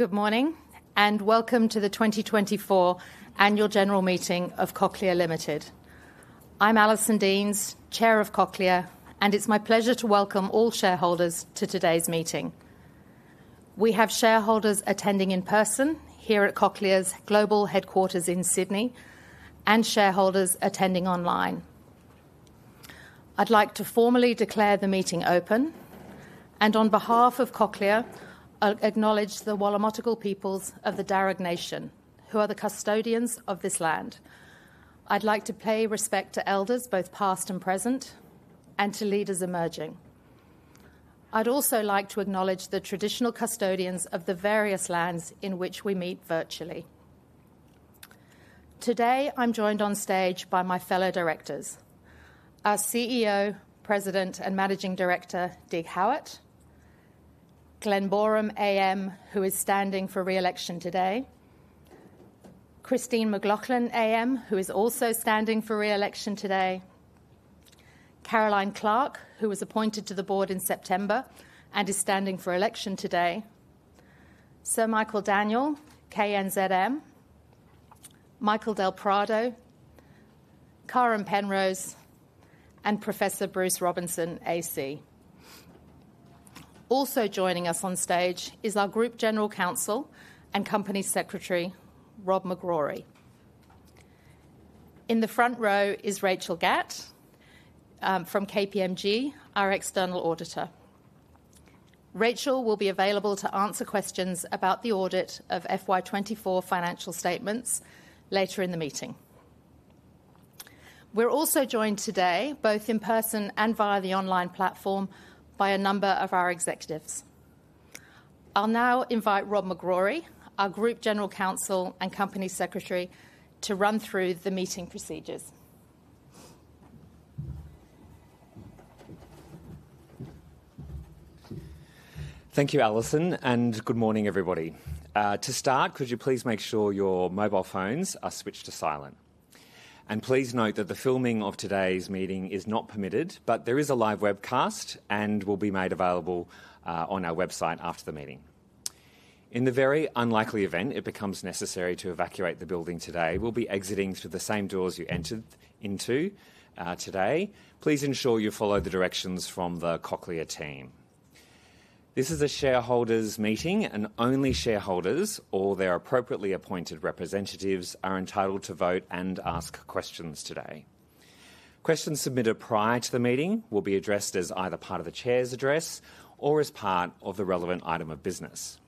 Good morning, and welcome to the twenty twenty-four Annual General Meeting of Cochlear Limited. I'm Alison Deans, Chair of Cochlear, and it's my pleasure to welcome all shareholders to today's meeting. We have shareholders attending in person here at Cochlear's global headquarters in Sydney and shareholders attending online. I'd like to formally declare the meeting open, and on behalf of Cochlear, I'll acknowledge the Wallumedegal peoples of the Dharug Nation, who are the custodians of this land. I'd like to pay respect to elders, both past and present, and to leaders emerging. I'd also like to acknowledge the traditional custodians of the various lands in which we meet virtually. Today, I'm joined on stage by my fellow directors: our CEO, President, and Managing Director, Dig Howitt, Glen Boreham AM, who is standing for re-election today, Christine McLoughlin AM, who is also standing for re-election today, Caroline Clarke, who was appointed to the board in September and is standing for election today, Sir Michael Daniell, KNZM, Michael del Prado, Karen Penrose, and Professor Bruce Robinson AC. Also joining us on stage is our Group General Counsel and Company Secretary, Rob McGrory. In the front row is Rachel Gatt from KPMG, our external auditor. Rachel will be available to answer questions about the audit of FY 2024 financial statements later in the meeting. We're also joined today, both in person and via the online platform, by a number of our executives. I'll now invite Rob McGrory, our Group General Counsel and Company Secretary, to run through the meeting procedures. Thank you, Alison, and good morning, everybody. To start, could you please make sure your mobile phones are switched to silent? And please note that the filming of today's meeting is not permitted, but there is a live webcast and will be made available on our website after the meeting. In the very unlikely event it becomes necessary to evacuate the building today, we'll be exiting through the same doors you entered into today. Please ensure you follow the directions from the Cochlear team. This is a shareholders' meeting, and only shareholders or their appropriately appointed representatives are entitled to vote and ask questions today. Questions submitted prior to the meeting will be addressed as either part of the Chair's address or as part of the relevant item of business.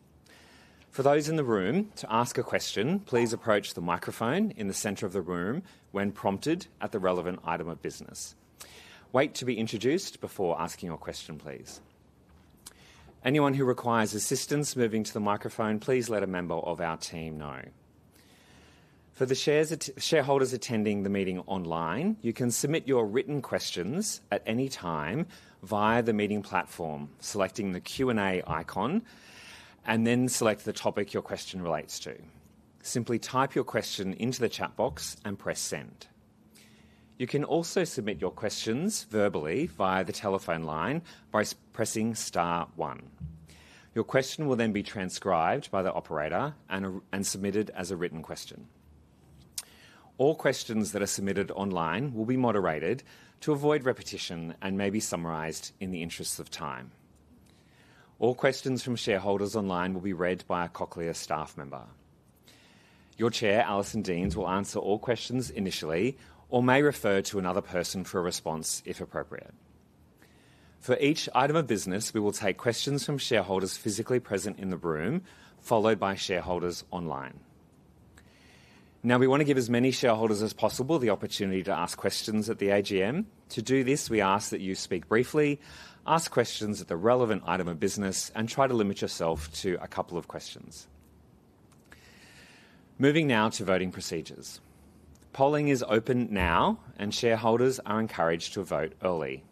For those in the room, to ask a question, please approach the microphone in the center of the room when prompted at the relevant item of business. Wait to be introduced before asking your question, please. Anyone who requires assistance moving to the microphone, please let a member of our team know. For the shareholders attending the meeting online, you can submit your written questions at any time via the meeting platform, selecting the Q&A icon, and then select the topic your question relates to. Simply type your question into the chat box and press Send. You can also submit your questions verbally via the telephone line by pressing star one. Your question will then be transcribed by the operator and submitted as a written question. All questions that are submitted online will be moderated to avoid repetition and may be summarized in the interests of time. All questions from shareholders online will be read by a Cochlear staff member. Your Chair, Alison Deans, will answer all questions initially or may refer to another person for a response, if appropriate. For each item of business, we will take questions from shareholders physically present in the room, followed by shareholders online. Now, we want to give as many shareholders as possible the opportunity to ask questions at the AGM. To do this, we ask that you speak briefly, ask questions at the relevant item of business, and try to limit yourself to a couple of questions. Moving now to voting procedures. Polling is open now, and shareholders are encouraged to vote early.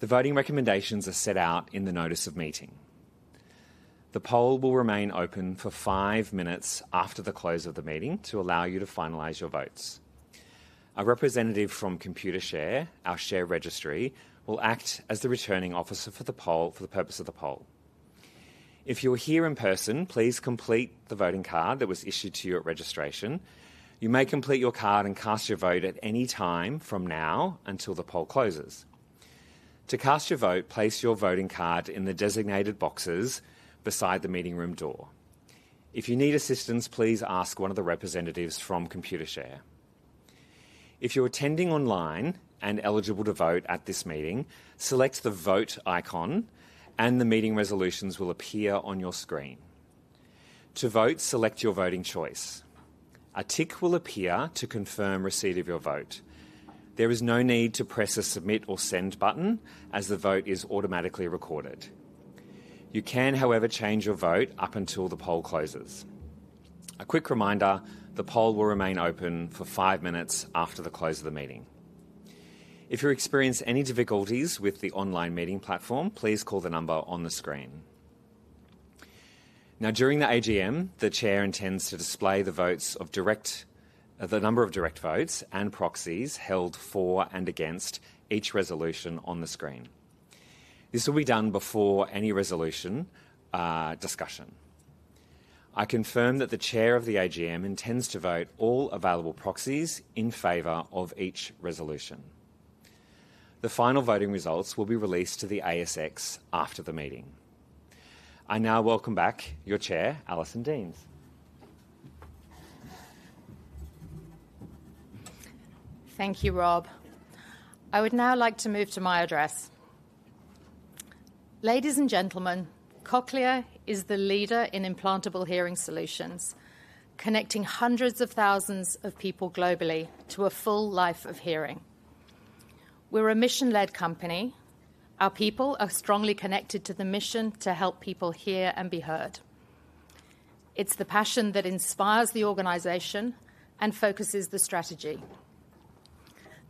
The voting recommendations are set out in the notice of meeting. The poll will remain open for five minutes after the close of the meeting to allow you to finalize your votes. A representative from Computershare, our share registry, will act as the Returning Officer for the poll, for the purpose of the poll. If you're here in person, please complete the voting card that was issued to you at registration. You may complete your card and cast your vote at any time from now until the poll closes. To cast your vote, place your voting card in the designated boxes beside the meeting room door. If you need assistance, please ask one of the representatives from Computershare. If you're attending online and eligible to vote at this meeting, select the Vote icon, and the meeting resolutions will appear on your screen. To vote, select your voting choice. A tick will appear to confirm receipt of your vote. There is no need to press the Submit or Send button, as the vote is automatically recorded. You can, however, change your vote up until the poll closes. A quick reminder, the poll will remain open for five minutes after the close of the meeting. If you experience any difficulties with the online meeting platform, please call the number on the screen. Now, during the AGM, the Chair intends to display the number of direct votes and proxies held for and against each resolution on the screen. This will be done before any resolution discussion. I confirm that the Chair of the AGM intends to vote all available proxies in favor of each resolution. The final voting results will be released to the ASX after the meeting. I now welcome back your Chair, Alison Deans. Thank you, Rob. I would now like to move to my address. Ladies and gentlemen, Cochlear is the leader in implantable hearing solutions, connecting hundreds of thousands of people globally to a full life of hearing. We're a mission-led company. Our people are strongly connected to the mission to help people hear and be heard. It's the passion that inspires the organization and focuses the strategy.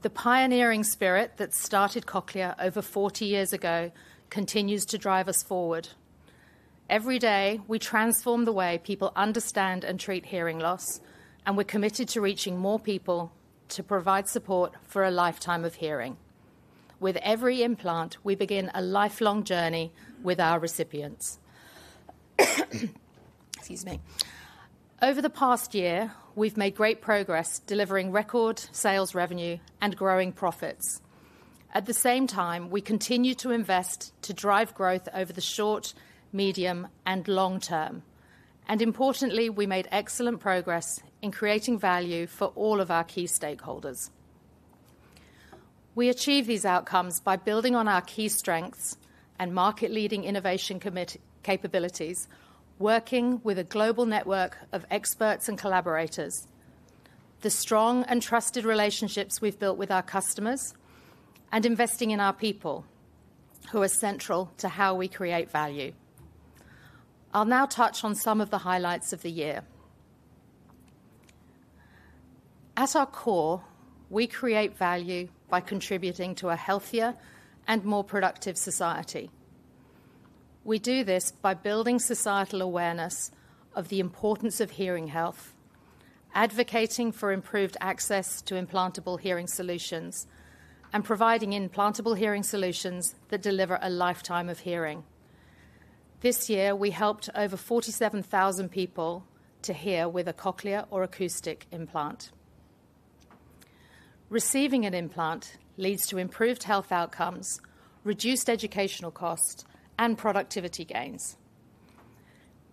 The pioneering spirit that started Cochlear over forty years ago continues to drive us forward. Every day, we transform the way people understand and treat hearing loss, and we're committed to reaching more people to provide support for a lifetime of hearing. With every implant, we begin a lifelong journey with our recipients. Excuse me. Over the past year, we've made great progress delivering record sales revenue and growing profits. At the same time, we continue to invest to drive growth over the short, medium, and long term, and importantly, we made excellent progress in creating value for all of our key stakeholders. We achieve these outcomes by building on our key strengths and market-leading innovation, commitment capabilities, working with a global network of experts and collaborators, the strong and trusted relationships we've built with our customers, and investing in our people, who are central to how we create value. I'll now touch on some of the highlights of the year. At our core, we create value by contributing to a healthier and more productive society. We do this by building societal awareness of the importance of hearing health, advocating for improved access to implantable hearing solutions, and providing implantable hearing solutions that deliver a lifetime of hearing. This year, we helped over 47,000 people to hear with a Cochlear or acoustic implant. Receiving an implant leads to improved health outcomes, reduced educational costs, and productivity gains.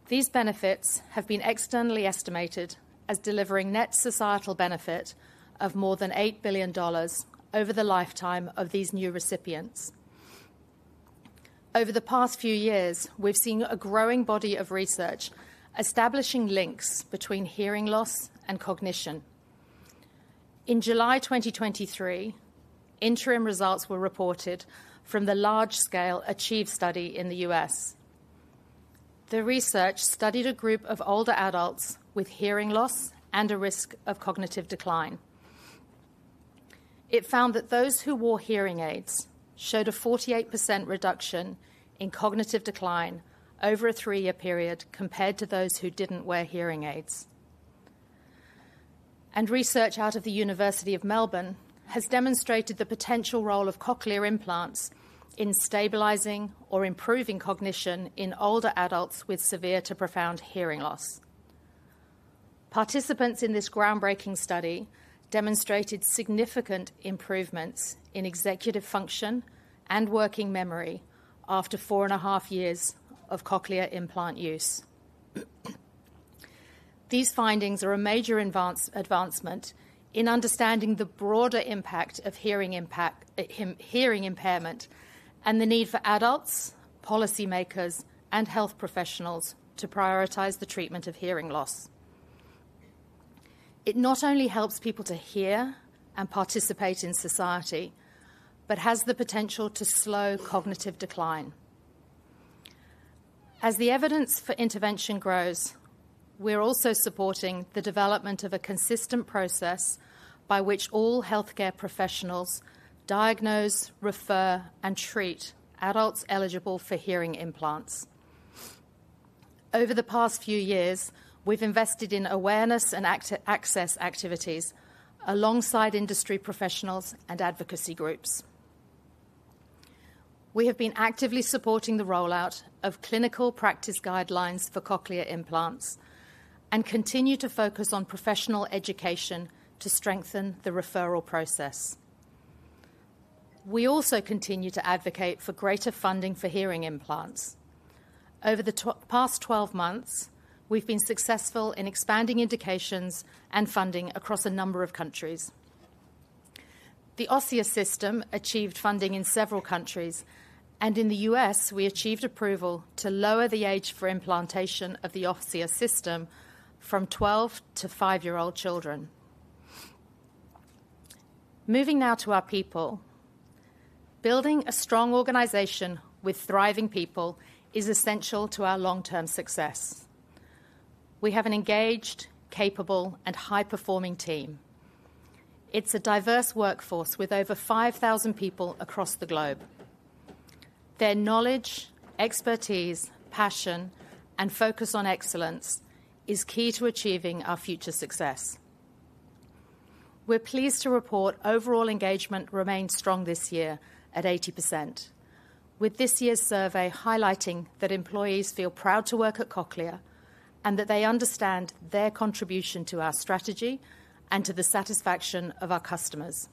These benefits have been externally estimated as delivering net societal benefit of more than 8 billion dollars over the lifetime of these new recipients. Over the past few years, we've seen a growing body of research establishing links between hearing loss and cognition. In July 2023, interim results were reported from the large-scale ACHIEVE study in the U.S. The research studied a group of older adults with hearing loss and a risk of cognitive decline. It found that those who wore hearing aids showed a 48% reduction in cognitive decline over a three-year period compared to those who didn't wear hearing aids. Research out of the University of Melbourne has demonstrated the potential role of cochlear implants in stabilizing or improving cognition in older adults with severe to profound hearing loss. Participants in this groundbreaking study demonstrated significant improvements in executive function and working memory after four and a half years of cochlear implant use. These findings are a major advancement in understanding the broader impact of hearing impairment and the need for adults, policymakers, and health professionals to prioritize the treatment of hearing loss. It not only helps people to hear and participate in society, but has the potential to slow cognitive decline. As the evidence for intervention grows, we're also supporting the development of a consistent process by which all healthcare professionals diagnose, refer, and treat adults eligible for hearing implants. Over the past few years, we've invested in awareness and access activities alongside industry professionals and advocacy groups. We have been actively supporting the rollout of clinical practice guidelines for cochlear implants and continue to focus on professional education to strengthen the referral process. We also continue to advocate for greater funding for hearing implants. Over the past 12 months, we've been successful in expanding indications and funding across a number of countries. The Osia System achieved funding in several countries, and in the U.S., we achieved approval to lower the age for implantation of the Osia System from 12 to 5-year-old children. Moving now to our people. Building a strong organization with thriving people is essential to our long-term success. We have an engaged, capable, and high-performing team. It's a diverse workforce with over 5,000 people across the globe. Their knowledge, expertise, passion, and focus on excellence is key to achieving our future success. We're pleased to report overall engagement remained strong this year at 80%, with this year's survey highlighting that employees feel proud to work at Cochlear, and that they understand their contribution to our strategy and to the satisfaction of our customers.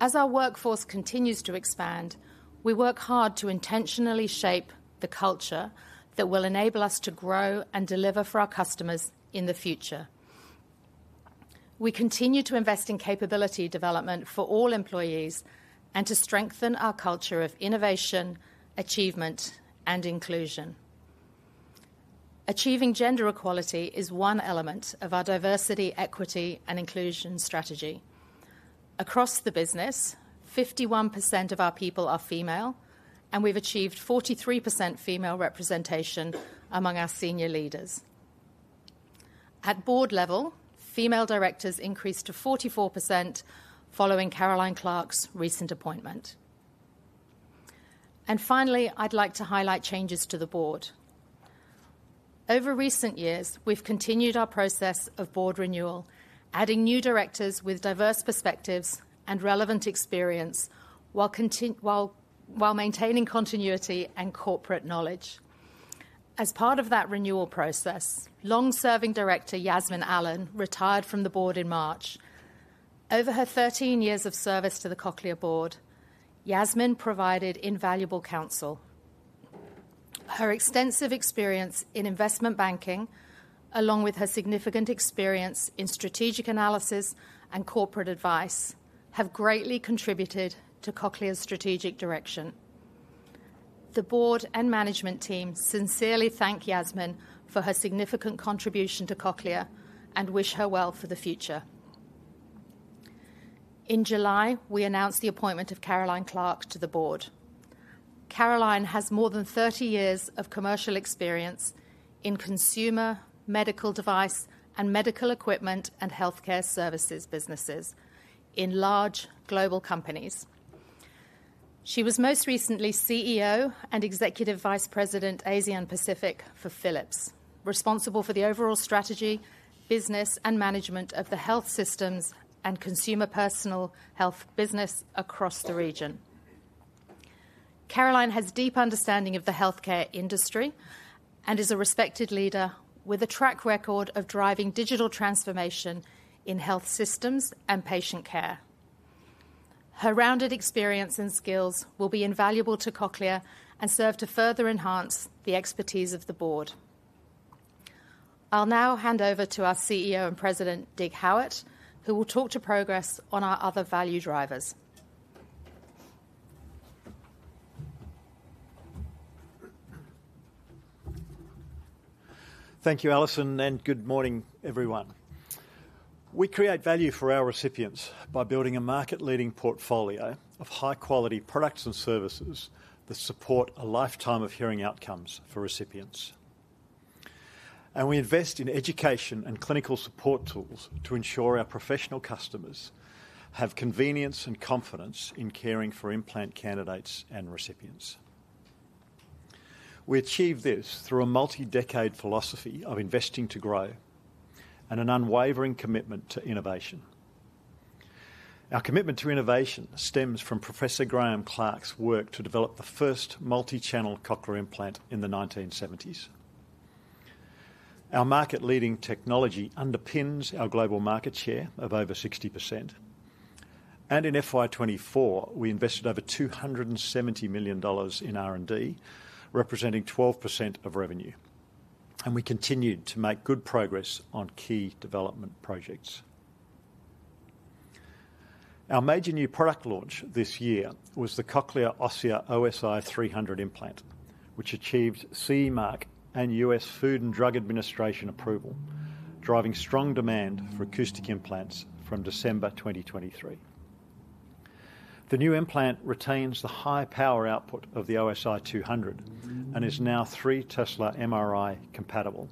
As our workforce continues to expand, we work hard to intentionally shape the culture that will enable us to grow and deliver for our customers in the future. We continue to invest in capability development for all employees and to strengthen our culture of innovation, achievement, and inclusion. Achieving gender equality is one element of our diversity, equity, and inclusion strategy. Across the business, 51% of our people are female, and we've achieved 43% female representation among our senior leaders. At board level, female directors increased to 44% following Caroline Clark's recent appointment. Finally, I'd like to highlight changes to the board. Over recent years, we've continued our process of board renewal, adding new directors with diverse perspectives and relevant experience, while maintaining continuity and corporate knowledge. As part of that renewal process, long-serving director Yasmin Allen retired from the board in March. Over her 13 years of service to the Cochlear board, Yasmin provided invaluable counsel. Her extensive experience in investment banking, along with her significant experience in strategic analysis and corporate advice, have greatly contributed to Cochlear's strategic direction. The board and management team sincerely thank Yasmin for her significant contribution to Cochlear and wish her well for the future. In July, we announced the appointment of Caroline Clark to the board. Caroline has more than thirty years of commercial experience in consumer, medical device, and medical equipment, and healthcare services businesses in large global companies. She was most recently CEO and Executive Vice President, Asia and Pacific, for Philips, responsible for the overall strategy, business, and management of the health systems and consumer personal health business across the region. Caroline has deep understanding of the healthcare industry and is a respected leader with a track record of driving digital transformation in health systems and patient care. Her rounded experience and skills will be invaluable to Cochlear and serve to further enhance the expertise of the board. I'll now hand over to our CEO and President, Dig Howitt, who will talk to progress on our other value drivers. Thank you, Alison, and good morning, everyone. We create value for our recipients by building a market-leading portfolio of high-quality products and services that support a lifetime of hearing outcomes for recipients, and we invest in education and clinical support tools to ensure our professional customers have convenience and confidence in caring for implant candidates and recipients. We achieve this through a multi-decade philosophy of investing to grow and an unwavering commitment to innovation. Our commitment to innovation stems from Professor Graeme Clark's work to develop the first multi-channel cochlear implant in the 1970s. Our market-leading technology underpins our global market share of over 60%, and in FY 24, we invested over 270 million dollars in R&D, representing 12% of revenue, and we continued to make good progress on key development projects. Our major new product launch this year was the Cochlear Osia OSI 300 implant, which achieved CE mark and US Food and Drug Administration approval, driving strong demand for acoustic implants from December 2023. The new implant retains the high power output of the OSI 200 and is now 3 Tesla MRI compatible,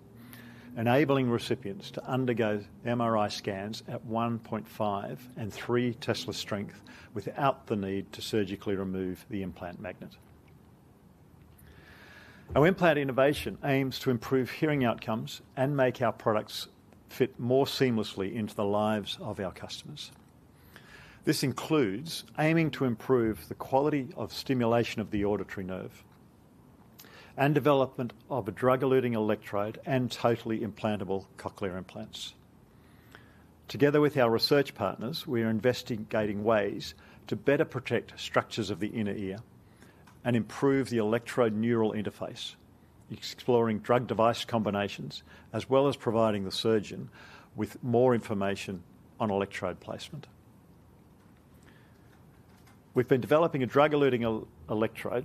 enabling recipients to undergo MRI scans at 1.5 and 3 Tesla strength without the need to surgically remove the implant magnet. Our implant innovation aims to improve hearing outcomes and make our products fit more seamlessly into the lives of our customers. This includes aiming to improve the quality of stimulation of the auditory nerve and development of a drug-eluting electrode and totally implantable cochlear implants. Together with our research partners, we are investigating ways to better protect structures of the inner ear and improve the electrode neural interface, exploring drug device combinations, as well as providing the surgeon with more information on electrode placement. We've been developing a drug-eluting electrode,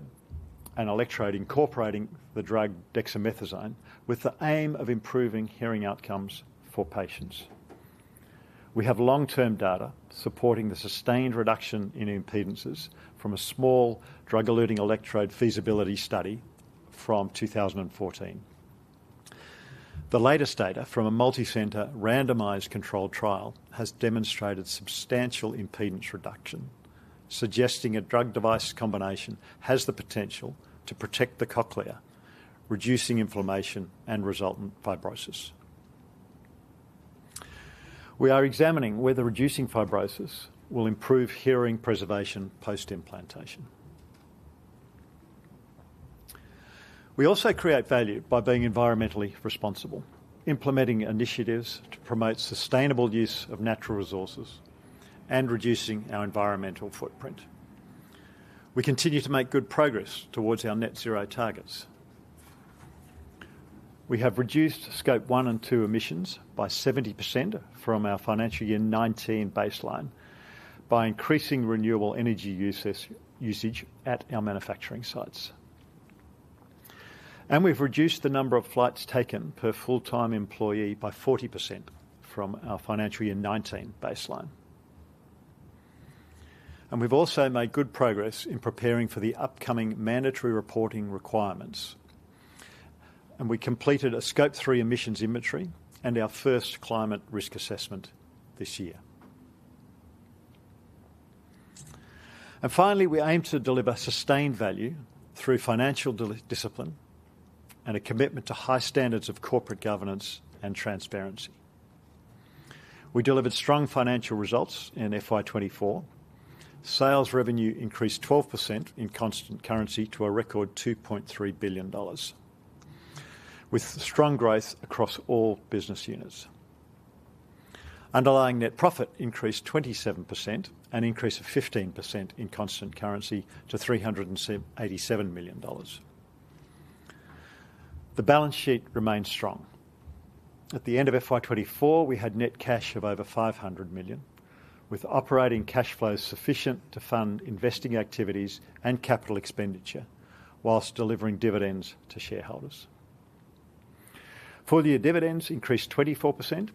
an electrode incorporating the drug dexamethasone, with the aim of improving hearing outcomes for patients. We have long-term data supporting the sustained reduction in impedances from a small drug-eluting electrode feasibility study from two thousand and fourteen. The latest data from a multicenter randomized controlled trial has demonstrated substantial impedance reduction, suggesting a drug device combination has the potential to protect the cochlea, reducing inflammation and resultant fibrosis. We are examining whether reducing fibrosis will improve hearing preservation post-implantation. We also create value by being environmentally responsible, implementing initiatives to promote sustainable use of natural resources and reducing our environmental footprint. We continue to make good progress towards our net zero targets. We have reduced Scope 1 and 2 emissions by 70% from our financial year 2019 baseline, by increasing renewable energy usage at our manufacturing sites. We've reduced the number of flights taken per full-time employee by 40% from our financial year 2019 baseline. We've also made good progress in preparing for the upcoming mandatory reporting requirements, and we completed a Scope 3 emissions inventory and our first climate risk assessment this year. Finally, we aim to deliver sustained value through financial discipline and a commitment to high standards of corporate governance and transparency. We delivered strong financial results in FY 2024. Sales revenue increased 12% in constant currency to a record 2.3 billion dollars, with strong growth across all business units. Underlying net profit increased 27%, an increase of 15% in constant currency to 387 million dollars. The balance sheet remains strong. At the end of FY 2024, we had net cash of over 500 million, with operating cash flows sufficient to fund investing activities and capital expenditure while delivering dividends to shareholders. For the year, dividends increased 24%,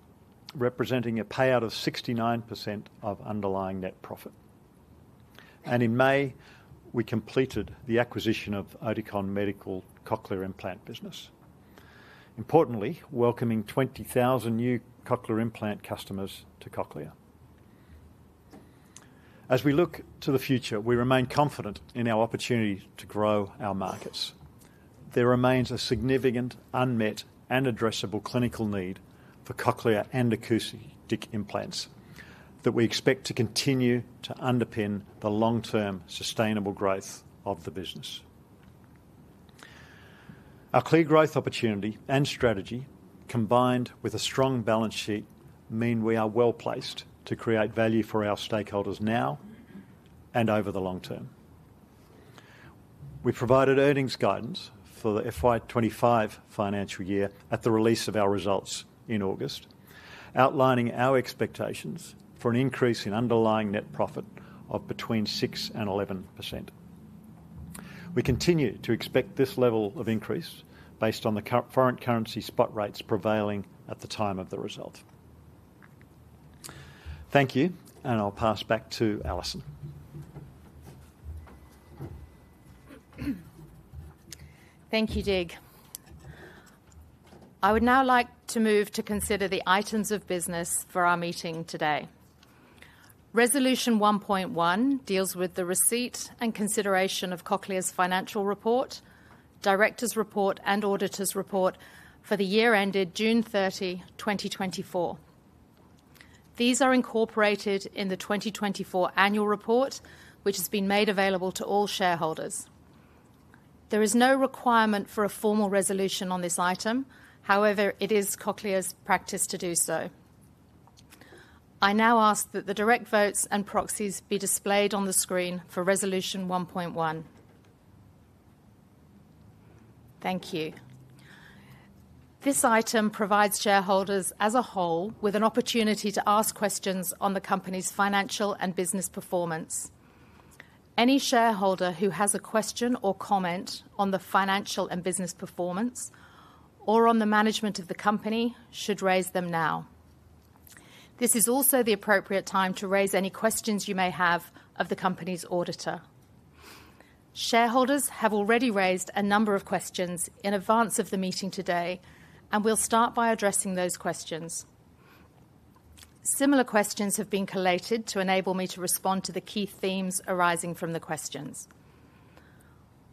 representing a payout of 69% of underlying net profit. In May, we completed the acquisition of Oticon Medical cochlear implant business. Importantly, welcoming 20,000 new cochlear implant customers to Cochlear. As we look to the future, we remain confident in our opportunity to grow our markets. There remains a significant unmet and addressable clinical need for cochlear and acoustic implants that we expect to continue to underpin the long-term sustainable growth of the business. Our clear growth opportunity and strategy, combined with a strong balance sheet, mean we are well-placed to create value for our stakeholders now and over the long term. We provided earnings guidance for the FY twenty-five financial year at the release of our results in August, outlining our expectations for an increase in underlying net profit of between six and 11%. We continue to expect this level of increase based on the current foreign currency spot rates prevailing at the time of the result. Thank you, and I'll pass back to Alison. Thank you, Dig. I would now like to move to consider the items of business for our meeting today. Resolution one point one deals with the receipt and consideration of Cochlear's financial report, directors' report, and auditors' report for the year ended June thirty, twenty twenty-four. These are incorporated in the twenty twenty-four annual report, which has been made available to all shareholders. There is no requirement for a formal resolution on this item. However, it is Cochlear's practice to do so. I now ask that the direct votes and proxies be displayed on the screen for resolution one point one. Thank you. This item provides shareholders, as a whole, with an opportunity to ask questions on the company's financial and business performance. Any shareholder who has a question or comment on the financial and business performance or on the management of the company should raise them now. This is also the appropriate time to raise any questions you may have of the company's auditor. Shareholders have already raised a number of questions in advance of the meeting today, and we'll start by addressing those questions. Similar questions have been collated to enable me to respond to the key themes arising from the questions.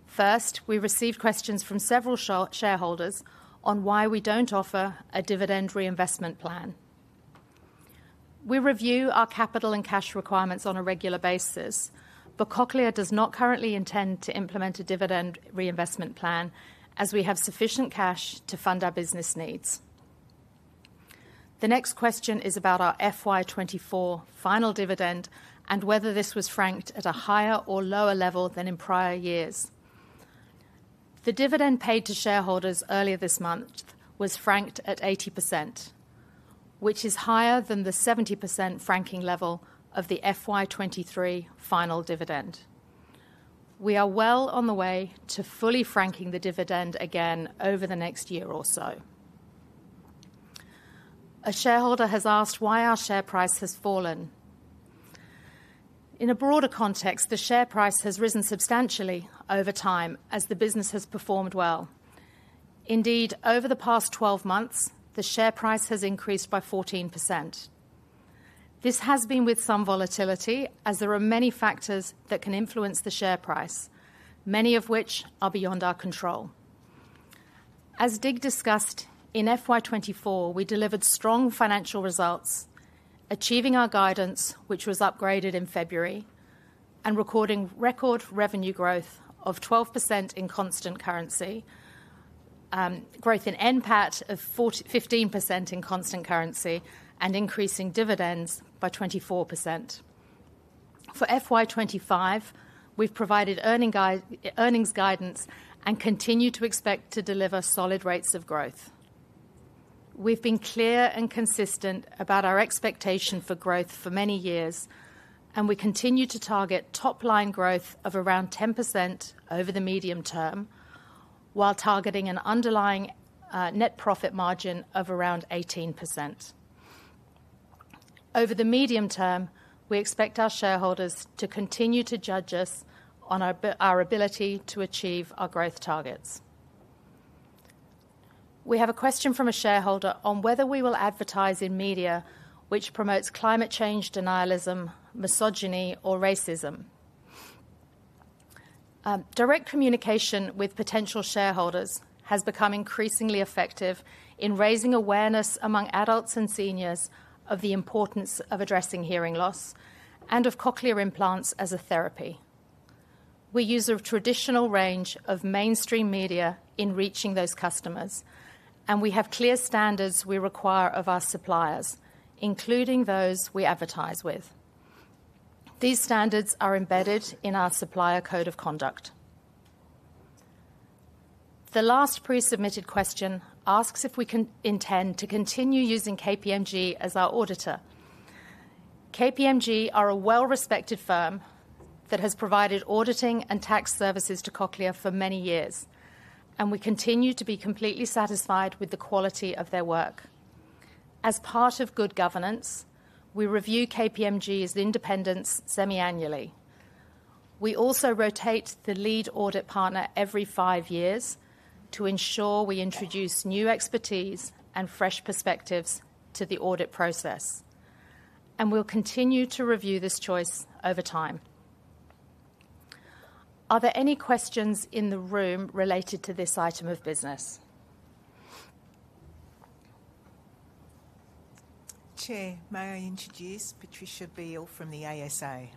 First, we received questions from several shareholders on why we don't offer a dividend reinvestment plan. We review our capital and cash requirements on a regular basis, but Cochlear does not currently intend to implement a dividend reinvestment plan, as we have sufficient cash to fund our business needs. The next question is about our FY twenty-four final dividend and whether this was franked at a higher or lower level than in prior years. The dividend paid to shareholders earlier this month was franked at 80%, which is higher than the 70% franking level of the FY 2023 final dividend. We are well on the way to fully franking the dividend again over the next year or so. A shareholder has asked why our share price has fallen. In a broader context, the share price has risen substantially over time as the business has performed well. Indeed, over the past twelve months, the share price has increased by 14%. This has been with some volatility, as there are many factors that can influence the share price, many of which are beyond our control. As Dig discussed, in FY 2024, we delivered strong financial results, achieving our guidance, which was upgraded in February, and recording record revenue growth of 12% in constant currency, growth in NPAT of fifteen percent in constant currency, and increasing dividends by 24%. For FY 2025, we've provided earnings guidance and continue to expect to deliver solid rates of growth. We've been clear and consistent about our expectation for growth for many years, and we continue to target top-line growth of around 10% over the medium term, while targeting an underlying net profit margin of around 18%. Over the medium term, we expect our shareholders to continue to judge us on our ability to achieve our growth targets. We have a question from a shareholder on whether we will advertise in media which promotes climate change denialism, misogyny, or racism. Direct communication with potential patients has become increasingly effective in raising awareness among adults and seniors of the importance of addressing hearing loss and of cochlear implants as a therapy. We use a traditional range of mainstream media in reaching those customers, and we have clear standards we require of our suppliers, including those we advertise with. These standards are embedded in our supplier code of conduct. The last pre-submitted question asks if we do intend to continue using KPMG as our auditor. KPMG are a well-respected firm that has provided auditing and tax services to Cochlear for many years, and we continue to be completely satisfied with the quality of their work. As part of good governance, we review KPMG's independence semi-annually. We also rotate the lead audit partner every five years to ensure we introduce new expertise and fresh perspectives to the audit process, and we'll continue to review this choice over time. Are there any questions in the room related to this item of business? Chair, may I introduce Patricia Beale from the ASA?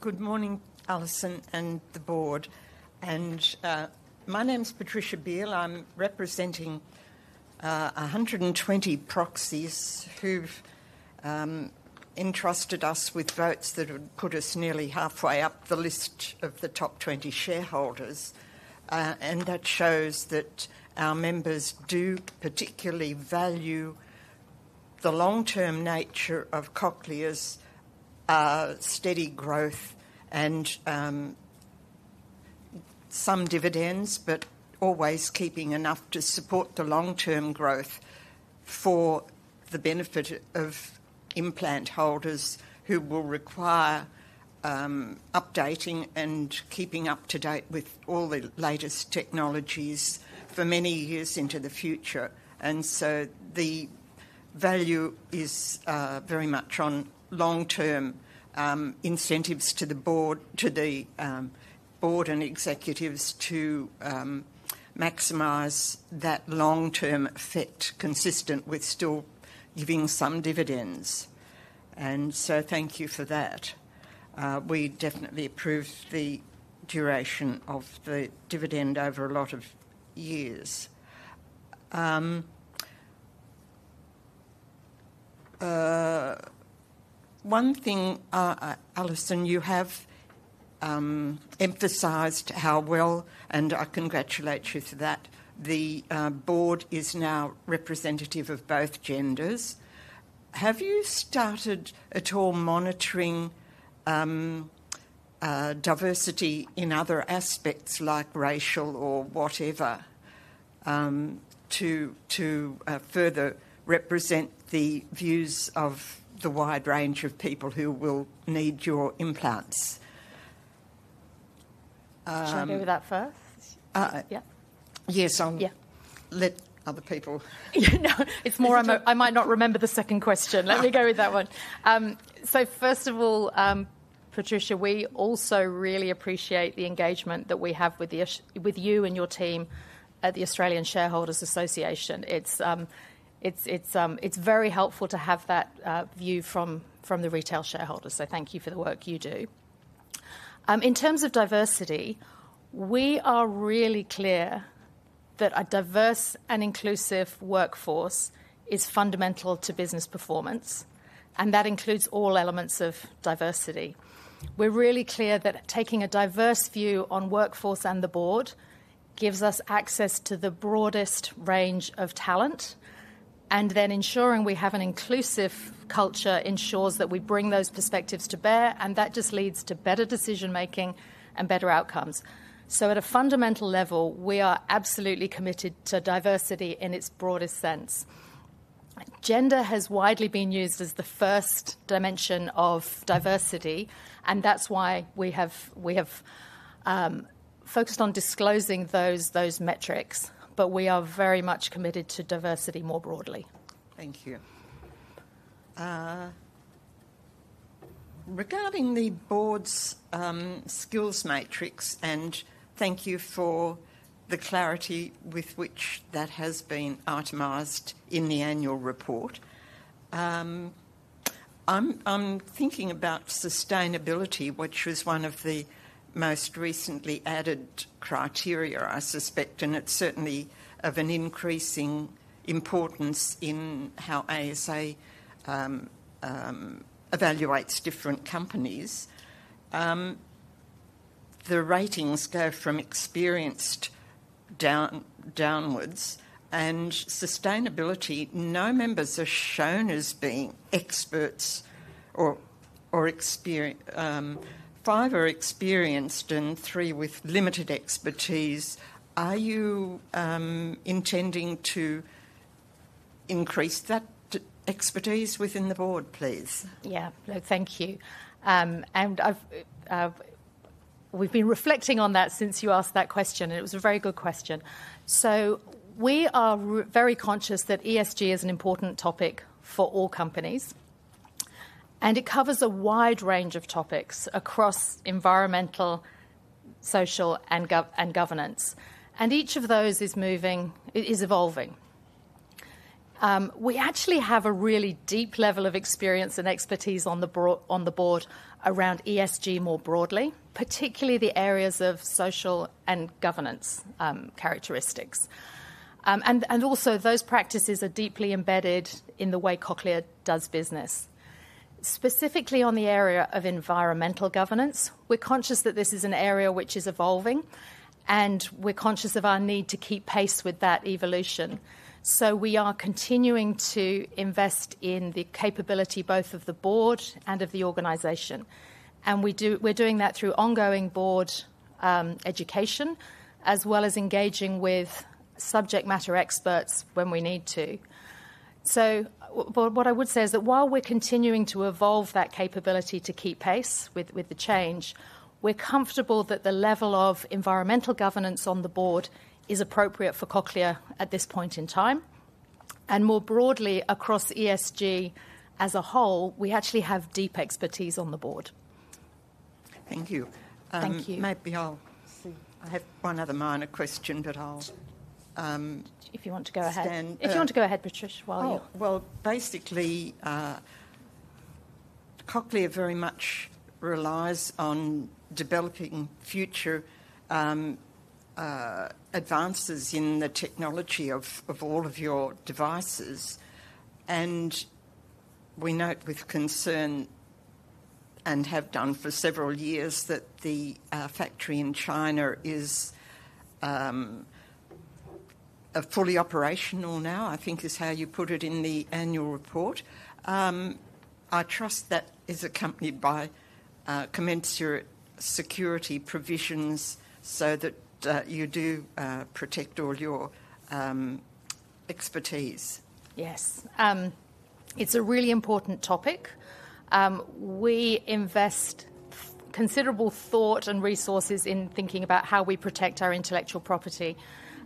Good morning, Alison and the board. And my name's Patricia Beale. I'm representing a hundred and twenty proxies who've entrusted us with votes that have put us nearly halfway up the list of the top twenty shareholders. And that shows that our members do particularly value the long-term nature of Cochlear's steady growth and some dividends, but always keeping enough to support the long-term growth for the benefit of implant holders who will require updating and keeping up to date with all the latest technologies for many years into the future. And so the value is very much on long-term incentives to the board, to the board and executives to maximize that long-term effect, consistent with still giving some dividends. And so thank you for that. We definitely approve the duration of the dividend over a lot of years. One thing, Alison, you have emphasized how well, and I congratulate you for that, the board is now representative of both genders. Have you started at all monitoring diversity in other aspects, like racial or whatever, to further represent the views of the wide range of people who will need your implants? Should I go with that first? Uh- Yeah. Yes, I'll- Yeah let other people. No, it's more I might not remember the second question. Let me go with that one. So first of all, Patricia, we also really appreciate the engagement that we have with you and your team at the Australian Shareholders' Association. It's very helpful to have that view from the retail shareholders, so thank you for the work you do. In terms of diversity, we are really clear that a diverse and inclusive workforce is fundamental to business performance, and that includes all elements of diversity. We're really clear that taking a diverse view on workforce and the board gives us access to the broadest range of talent, and then ensuring we have an inclusive culture ensures that we bring those perspectives to bear, and that just leads to better decision-making and better outcomes. So at a fundamental level, we are absolutely committed to diversity in its broadest sense. Gender has widely been used as the first dimension of diversity, and that's why we have focused on disclosing those metrics. But we are very much committed to diversity more broadly. Thank you. Regarding the board's skills matrix, and thank you for the clarity with which that has been itemized in the annual report. I'm thinking about sustainability, which was one of the most recently added criteria, I suspect, and it's certainly of an increasing importance in how ASA evaluates different companies. The ratings go from experienced downwards, and sustainability, no members are shown as being experts or experienced. Five are experienced, and three with limited expertise. Are you intending to increase that expertise within the board, please? Yeah. No, thank you. And I've, we've been reflecting on that since you asked that question, and it was a very good question. So we are very conscious that ESG is an important topic for all companies, and it covers a wide range of topics across environmental, social, and governance, and each of those is moving. It is evolving. We actually have a really deep level of experience and expertise on the board around ESG more broadly, particularly the areas of social and governance characteristics. And also, those practices are deeply embedded in the way Cochlear does business. Specifically, on the area of environmental governance, we're conscious that this is an area which is evolving, and we're conscious of our need to keep pace with that evolution. We are continuing to invest in the capability, both of the board and of the organization, and we do. We're doing that through ongoing board education, as well as engaging with subject matter experts when we need to. What I would say is that while we're continuing to evolve that capability to keep pace with the change, we're comfortable that the level of environmental governance on the board is appropriate for Cochlear at this point in time. More broadly, across ESG as a whole, we actually have deep expertise on the board. Thank you. Thank you. Maybe I'll I have one other minor question, but I'll, If you want to go ahead- Stand, uh- If you want to go ahead, Patricia, while you- Oh, well, basically, Cochlear very much relies on developing future advances in the technology of all of your devices. And we note with concern, and have done for several years, that the factory in China is now fully operational, I think is how you put it in the annual report. I trust that is accompanied by commensurate security provisions so that you do protect all your expertise. Yes. It's a really important topic. We invest considerable thought and resources in thinking about how we protect our intellectual property.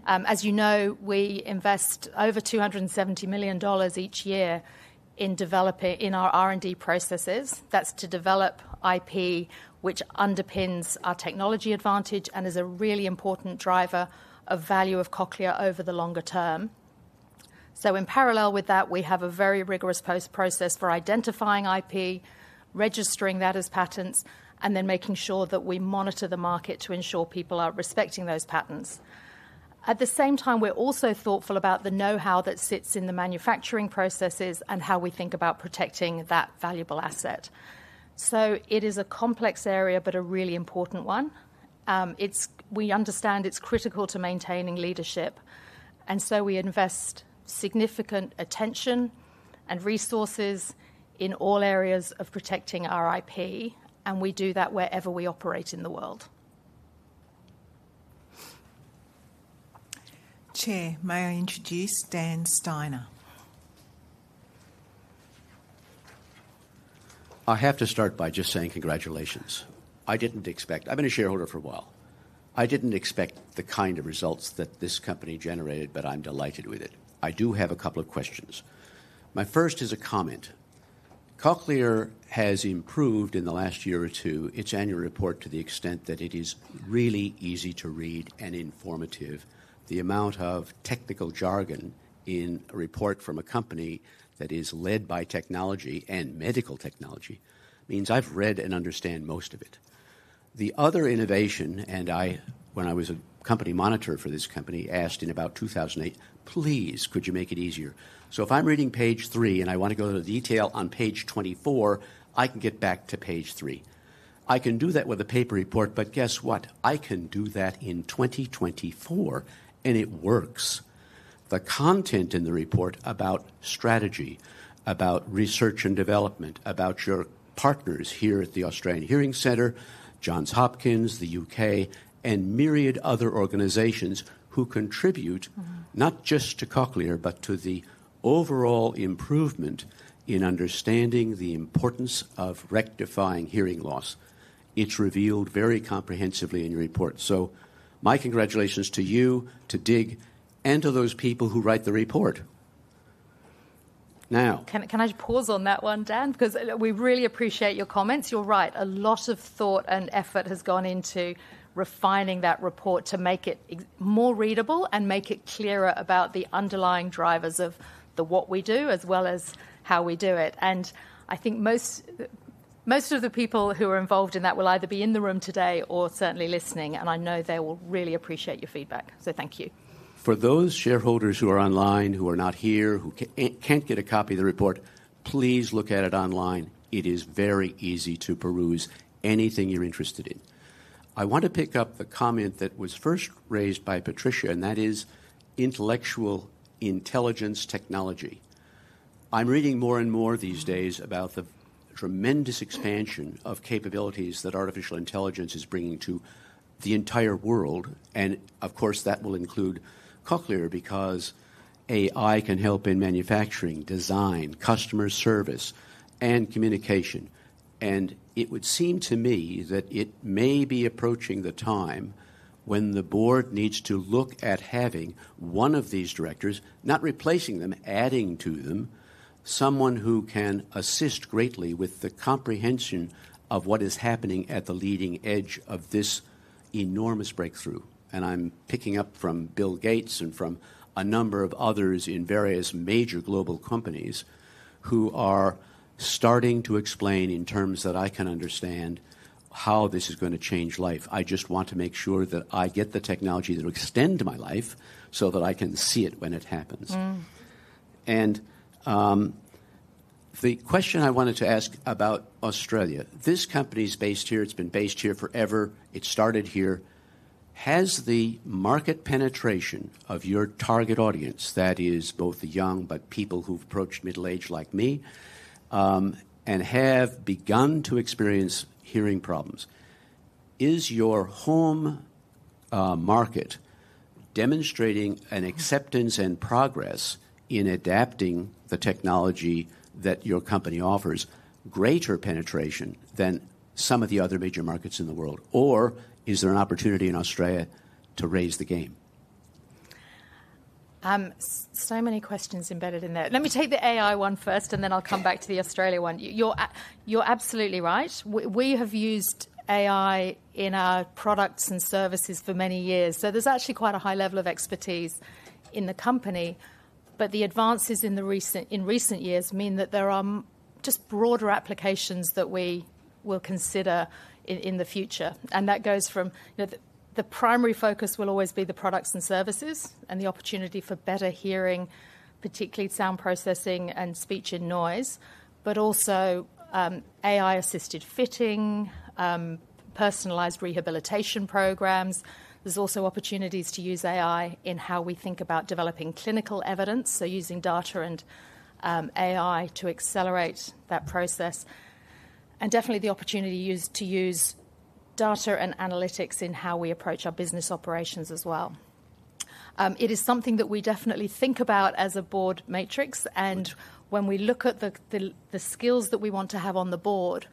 As you know, we invest over 270 million dollars each year in developing in our R&D processes. That's to develop IP, which underpins our technology advantage and is a really important driver of value of Cochlear over the longer term. So in parallel with that, we have a very rigorous post process for identifying IP, registering that as patents, and then making sure that we monitor the market to ensure people are respecting those patents. At the same time, we're also thoughtful about the know-how that sits in the manufacturing processes and how we think about protecting that valuable asset. So it is a complex area, but a really important one. It's we understand it's critical to maintaining leadership, and so we invest significant attention and resources in all areas of protecting our IP, and we do that wherever we operate in the world. Chair, may I introduce Dan Steiner? I have to start by just saying congratulations. I didn't expect... I've been a shareholder for a while. I didn't expect the kind of results that this company generated, but I'm delighted with it. I do have a couple of questions. My first is a comment. Cochlear has improved, in the last year or two, its annual report to the extent that it is really easy to read and informative. The amount of technical jargon in a report from a company that is led by technology and medical technology, means I've read and understand most of it. The other innovation, and I, when I was a company monitor for this company, asked in about 2008: "Please, could you make it easier?" So if I'm reading page three and I want to go to the detail on page twenty-four, I can get back to page three. I can do that with a paper report, but guess what? I can do that in 2024, and it works. The content in the report about research and development, about your partners here at the Australian Hearing Center, Johns Hopkins, the UK, and myriad other organizations who contribute. Not just to Cochlear, but to the overall improvement in understanding the importance of rectifying hearing loss. It's revealed very comprehensively in your report. So my congratulations to you, to Dig, and to those people who write the report. Now- Can I just pause on that one, Dan? 'Cause we really appreciate your comments. You're right. A lot of thought and effort has gone into refining that report to make it more readable and make it clearer about the underlying drivers of what we do, as well as how we do it. And I think most of the people who are involved in that will either be in the room today or certainly listening, and I know they will really appreciate your feedback. So thank you. For those shareholders who are online, who are not here, who can't get a copy of the report, please look at it online. It is very easy to peruse anything you're interested in. I want to pick up the comment that was first raised by Patricia, and that is artificial intelligence technology. I'm reading more and more these days about the tremendous expansion of capabilities that artificial intelligence is bringing to the entire world, and of course, that will include Cochlear because AI can help in manufacturing, design, customer service, and communication. It would seem to me that it may be approaching the time when the board needs to look at having one of these directors, not replacing them, adding to them, someone who can assist greatly with the comprehension of what is happening at the leading edge of this enormous breakthrough. And I'm picking up from Bill Gates and from a number of others in various major global companies who are starting to explain, in terms that I can understand, how this is gonna change life. I just want to make sure that I get the technology to extend my life so that I can see it when it happens. The question I wanted to ask about Australia: this company is based here. It's been based here forever. It started here. Has the market penetration of your target audience, that is, both the young but people who've approached middle age like me, and have begun to experience hearing problems, is your home market demonstrating an acceptance and progress in adapting the technology that your company offers, greater penetration than some of the other major markets in the world, or is there an opportunity in Australia to raise the game? So many questions embedded in there. Let me take the AI one first, and then I'll come back to the Australia one. You're absolutely right. We have used AI in our products and services for many years, so there's actually quite a high level of expertise in the company. But the advances in recent years mean that there are just broader applications that we will consider in the future, and that goes from the primary focus will always be the products and services and the opportunity for better hearing, particularly sound processing and speech and noise, but also AI-assisted fitting, personalized rehabilitation programs. There's also opportunities to use AI in how we think about developing clinical evidence, so using data and AI to accelerate that process, and definitely the opportunity to use data and analytics in how we approach our business operations as well. It is something that we definitely think about as a board matrix, and when we look at the skills that we want to have on the board,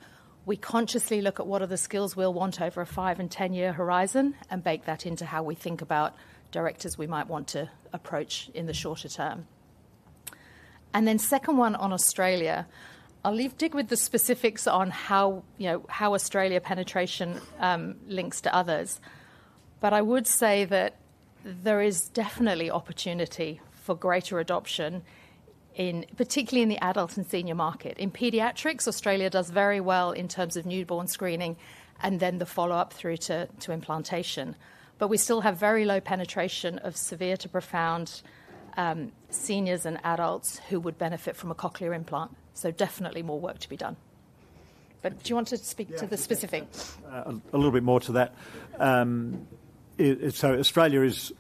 we consciously look at what are the skills we'll want over a five- and ten-year horizon, and bake that into how we think about directors we might want to approach in the shorter term. And then second one on Australia, I'll leave Dig with the specifics on how, you know, how Australia penetration links to others. But I would say that there is definitely opportunity for greater adoption in, particularly in the adult and senior market. In pediatrics, Australia does very well in terms of newborn screening and then the follow-up through to implantation. But we still have very low penetration of severe to profound seniors and adults who would benefit from a Cochlear implant, so definitely more work to be done. But do you want to speak to the specifics? Yeah. A little bit more to that. So Australia has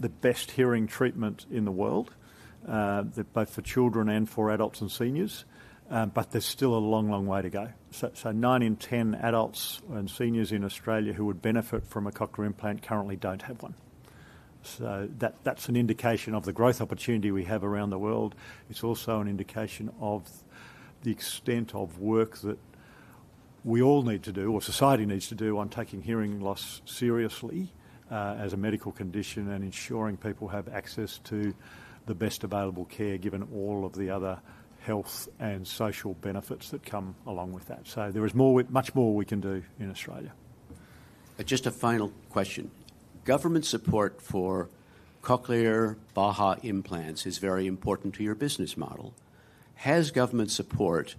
the best hearing treatment in the world, both for children and for adults and seniors, but there's still a long, long way to go. So nine in ten adults and seniors in Australia who would benefit from a cochlear implant currently don't have one. So that's an indication of the growth opportunity we have around the world. It's also an indication of the extent of work that we all need to do, or society needs to do, on taking hearing loss seriously, as a medical condition and ensuring people have access to the best available care, given all of the other health and social benefits that come along with that. So there is much more we can do in Australia. Just a final question. Government support for Cochlear Baha implants is very important to your business model. Has government support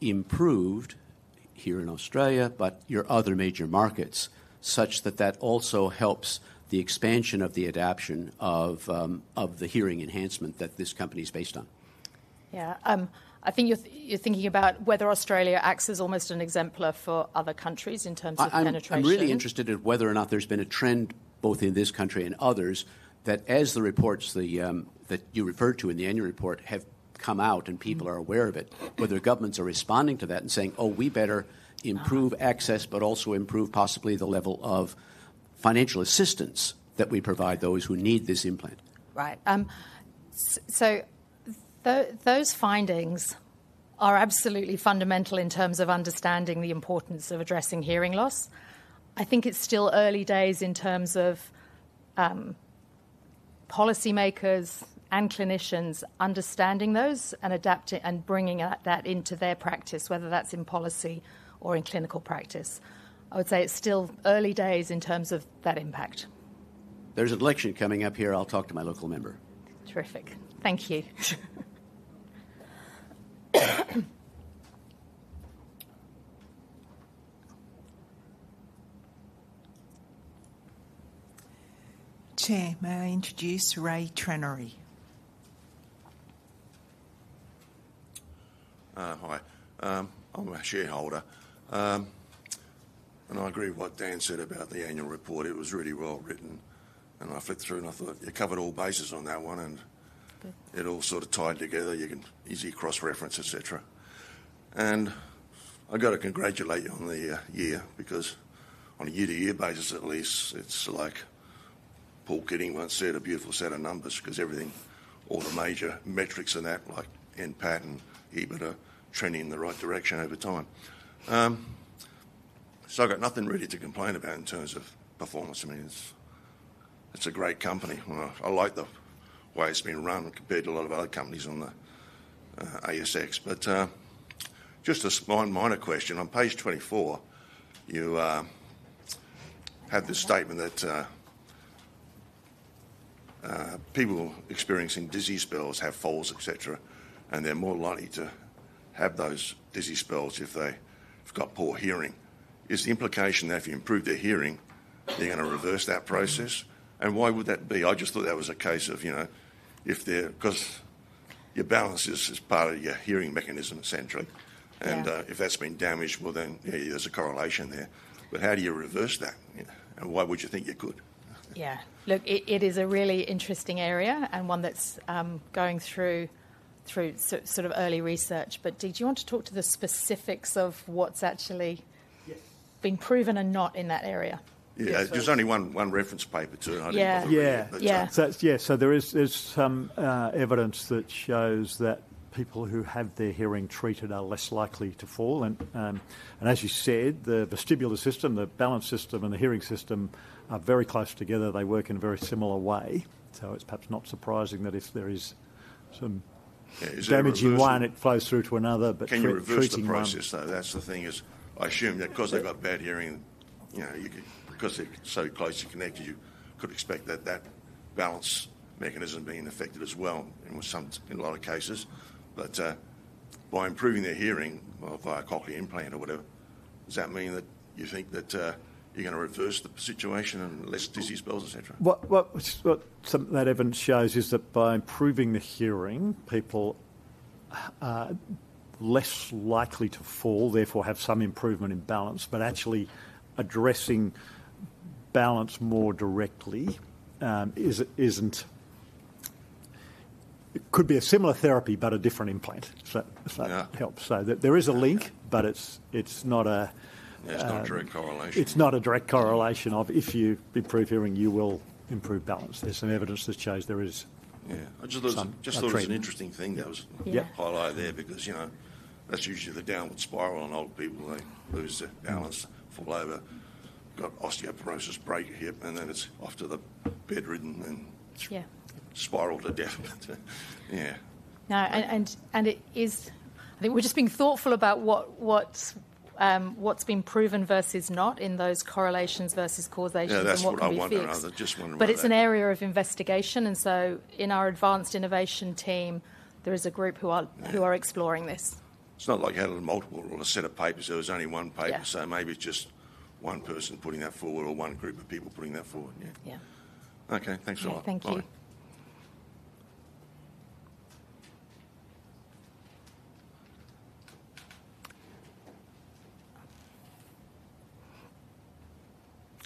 improved here in Australia, but your other major markets, such that that also helps the expansion of the adoption of the hearing enhancement that this company is based on? Yeah, I think you're thinking about whether Australia acts as almost an exemplar for other countries in terms of penetration? I'm really interested in whether or not there's been a trend, both in this country and others, that as the reports that you referred to in the annual report have come out and people are aware of it, whether governments are responding to that and saying, "Oh, we better improve access but also improve possibly the level of financial assistance that we provide those who need this implant. Right. So those findings are absolutely fundamental in terms of understanding the importance of addressing hearing loss. I think it's still early days in terms of policymakers and clinicians understanding those and adapting and bringing that into their practice, whether that's in policy or in clinical practice. I would say it's still early days in terms of that impact. There's an election coming up here. I'll talk to my local member. Terrific. Thank you. Chair, may I introduce Ray Trenery? Hi. I'm a shareholder, and I agree with what Dan said about the annual report. It was really well-written, and I flipped through, and I thought you covered all bases on that one, and it all sort of tied together. You can easy cross-reference, et cetera, and I've got to congratulate you on the year, because on a year-to-year basis at least, it's like Paul Keating once said, "A beautiful set of numbers," 'cause everything, all the major metrics and that, like in patent, even are trending in the right direction over time. So I've got nothing really to complain about in terms of performance. I mean, it's a great company. I like the way it's been run compared to a lot of other companies on the ASX. But just a small minor question: on page 24, you have this statement that people experiencing dizzy spells have falls, et cetera, and they're more likely to have those dizzy spells if they've got poor hearing. Is the implication that if you improve their hearing, you're gonna reverse that process? Why would that be? I just thought that was a case of, you know, if their... 'Cause your balance is part of your hearing mechanism, et cetera. Yeah. If that's been damaged, well, then, yeah, there's a correlation there. But how do you reverse that, yeah, and why would you think you could? Yeah. Look, it is a really interesting area, and one that's going through sort of early research. But did you want to talk to the specifics of what's actually Yes been proven and not in that area? Yeah. Yes, please. There's only one reference paper to it. I didn't bother reading it, but, Yeah. Yeah. Yeah. Yeah, so there is some evidence that shows that people who have their hearing treated are less likely to fall. And as you said, the vestibular system, the balance system, and the hearing system are very close together. They work in a very similar way, so it's perhaps not surprising that if there is some- Yeah, is it reversible? damage in one, it flows through to another. But treating one Can you reverse the process, though? That's the thing is, I assume that 'cause they've got bad hearing, you know, you could- 'cause they're so closely connected, you could expect that that balance mechanism being affected as well in some, in a lot of cases. But, by improving their hearing, via a Cochlear implant or whatever, does that mean that you think that, you're gonna reverse the situation and less dizzy spells, et cetera? What some of that evidence shows is that by improving the hearing, people are less likely to fall, therefore have some improvement in balance. But actually addressing balance more directly. It could be a similar therapy but a different implant. So, if that Yeah helps. So there is a link, but it's not a, Yeah, it's not a direct correlation. It's not a direct correlation of if you improve hearing, you will improve balance. There's some evidence that shows there is- Yeah some treatment. I just thought it was an interesting thing that was- Yeah highlighted there because, you know, that's usually the downward spiral in old people. They lose their balance fall over, got osteoporosis, break a hip, and then it's off to the bedridden and- Yeah spiral to death. Yeah. No, and it is. I think we're just being thoughtful about what's been proven versus not in those correlations versus causation and what can be fixed. Yeah, that's what I wondered. I was just wondering about that. But it's an area of investigation, and so in our advanced innovation team, there is a group who are- Yeah who are exploring this. It's not like you had multiple or a set of papers. There was only one paper. Yeah. So maybe it's just one person putting that forward or one group of people putting that forward. Yeah. Yeah. Okay, thanks a lot. Yeah, thank you.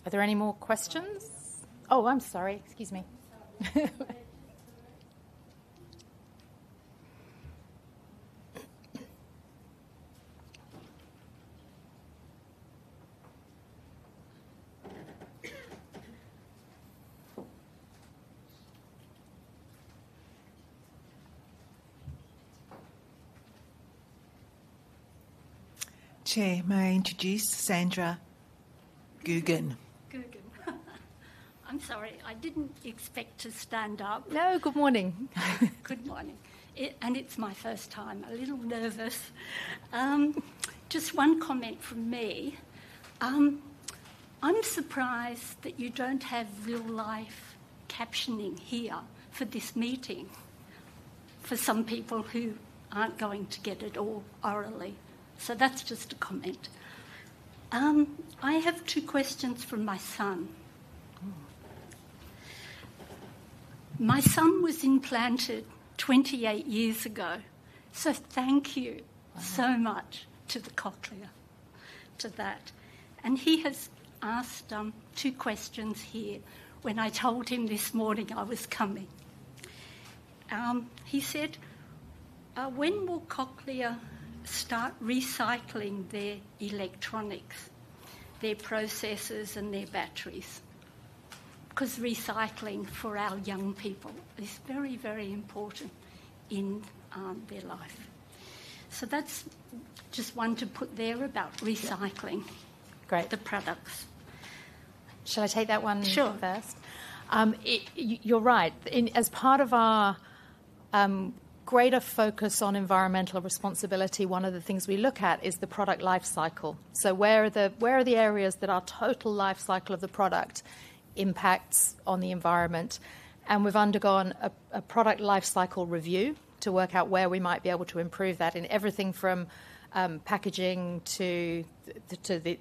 Are there any more questions? Oh, I'm sorry. Excuse me. I'm sorry. Yeah, just over. Chair, may I introduce Sandra Gugan? Gugan. I'm sorry, I didn't expect to stand up. No, good morning. Good morning. It's my first time. A little nervous. Just one comment from me. I'm surprised that you don't have real-time captioning here for this meeting, for some people who aren't going to get it all orally. So that's just a comment. I have two questions from my son. My son was implanted twenty-eight years ago, so thank you so much to the Cochlear, to that. And he has asked two questions here when I told him this morning I was coming. He said, "When will Cochlear start recycling their electronics, their processors, and their batteries? 'Cause recycling for our young people is very, very important in their life." So that's just one to put there about recycling- Great the products. Shall I take that one? Sure. You're right. In, as part of our greater focus on environmental responsibility, one of the things we look at is the product life cycle. So where are the areas that our total life cycle of the product impacts on the environment? And we've undergone a product life cycle review to work out where we might be able to improve that, in everything from packaging to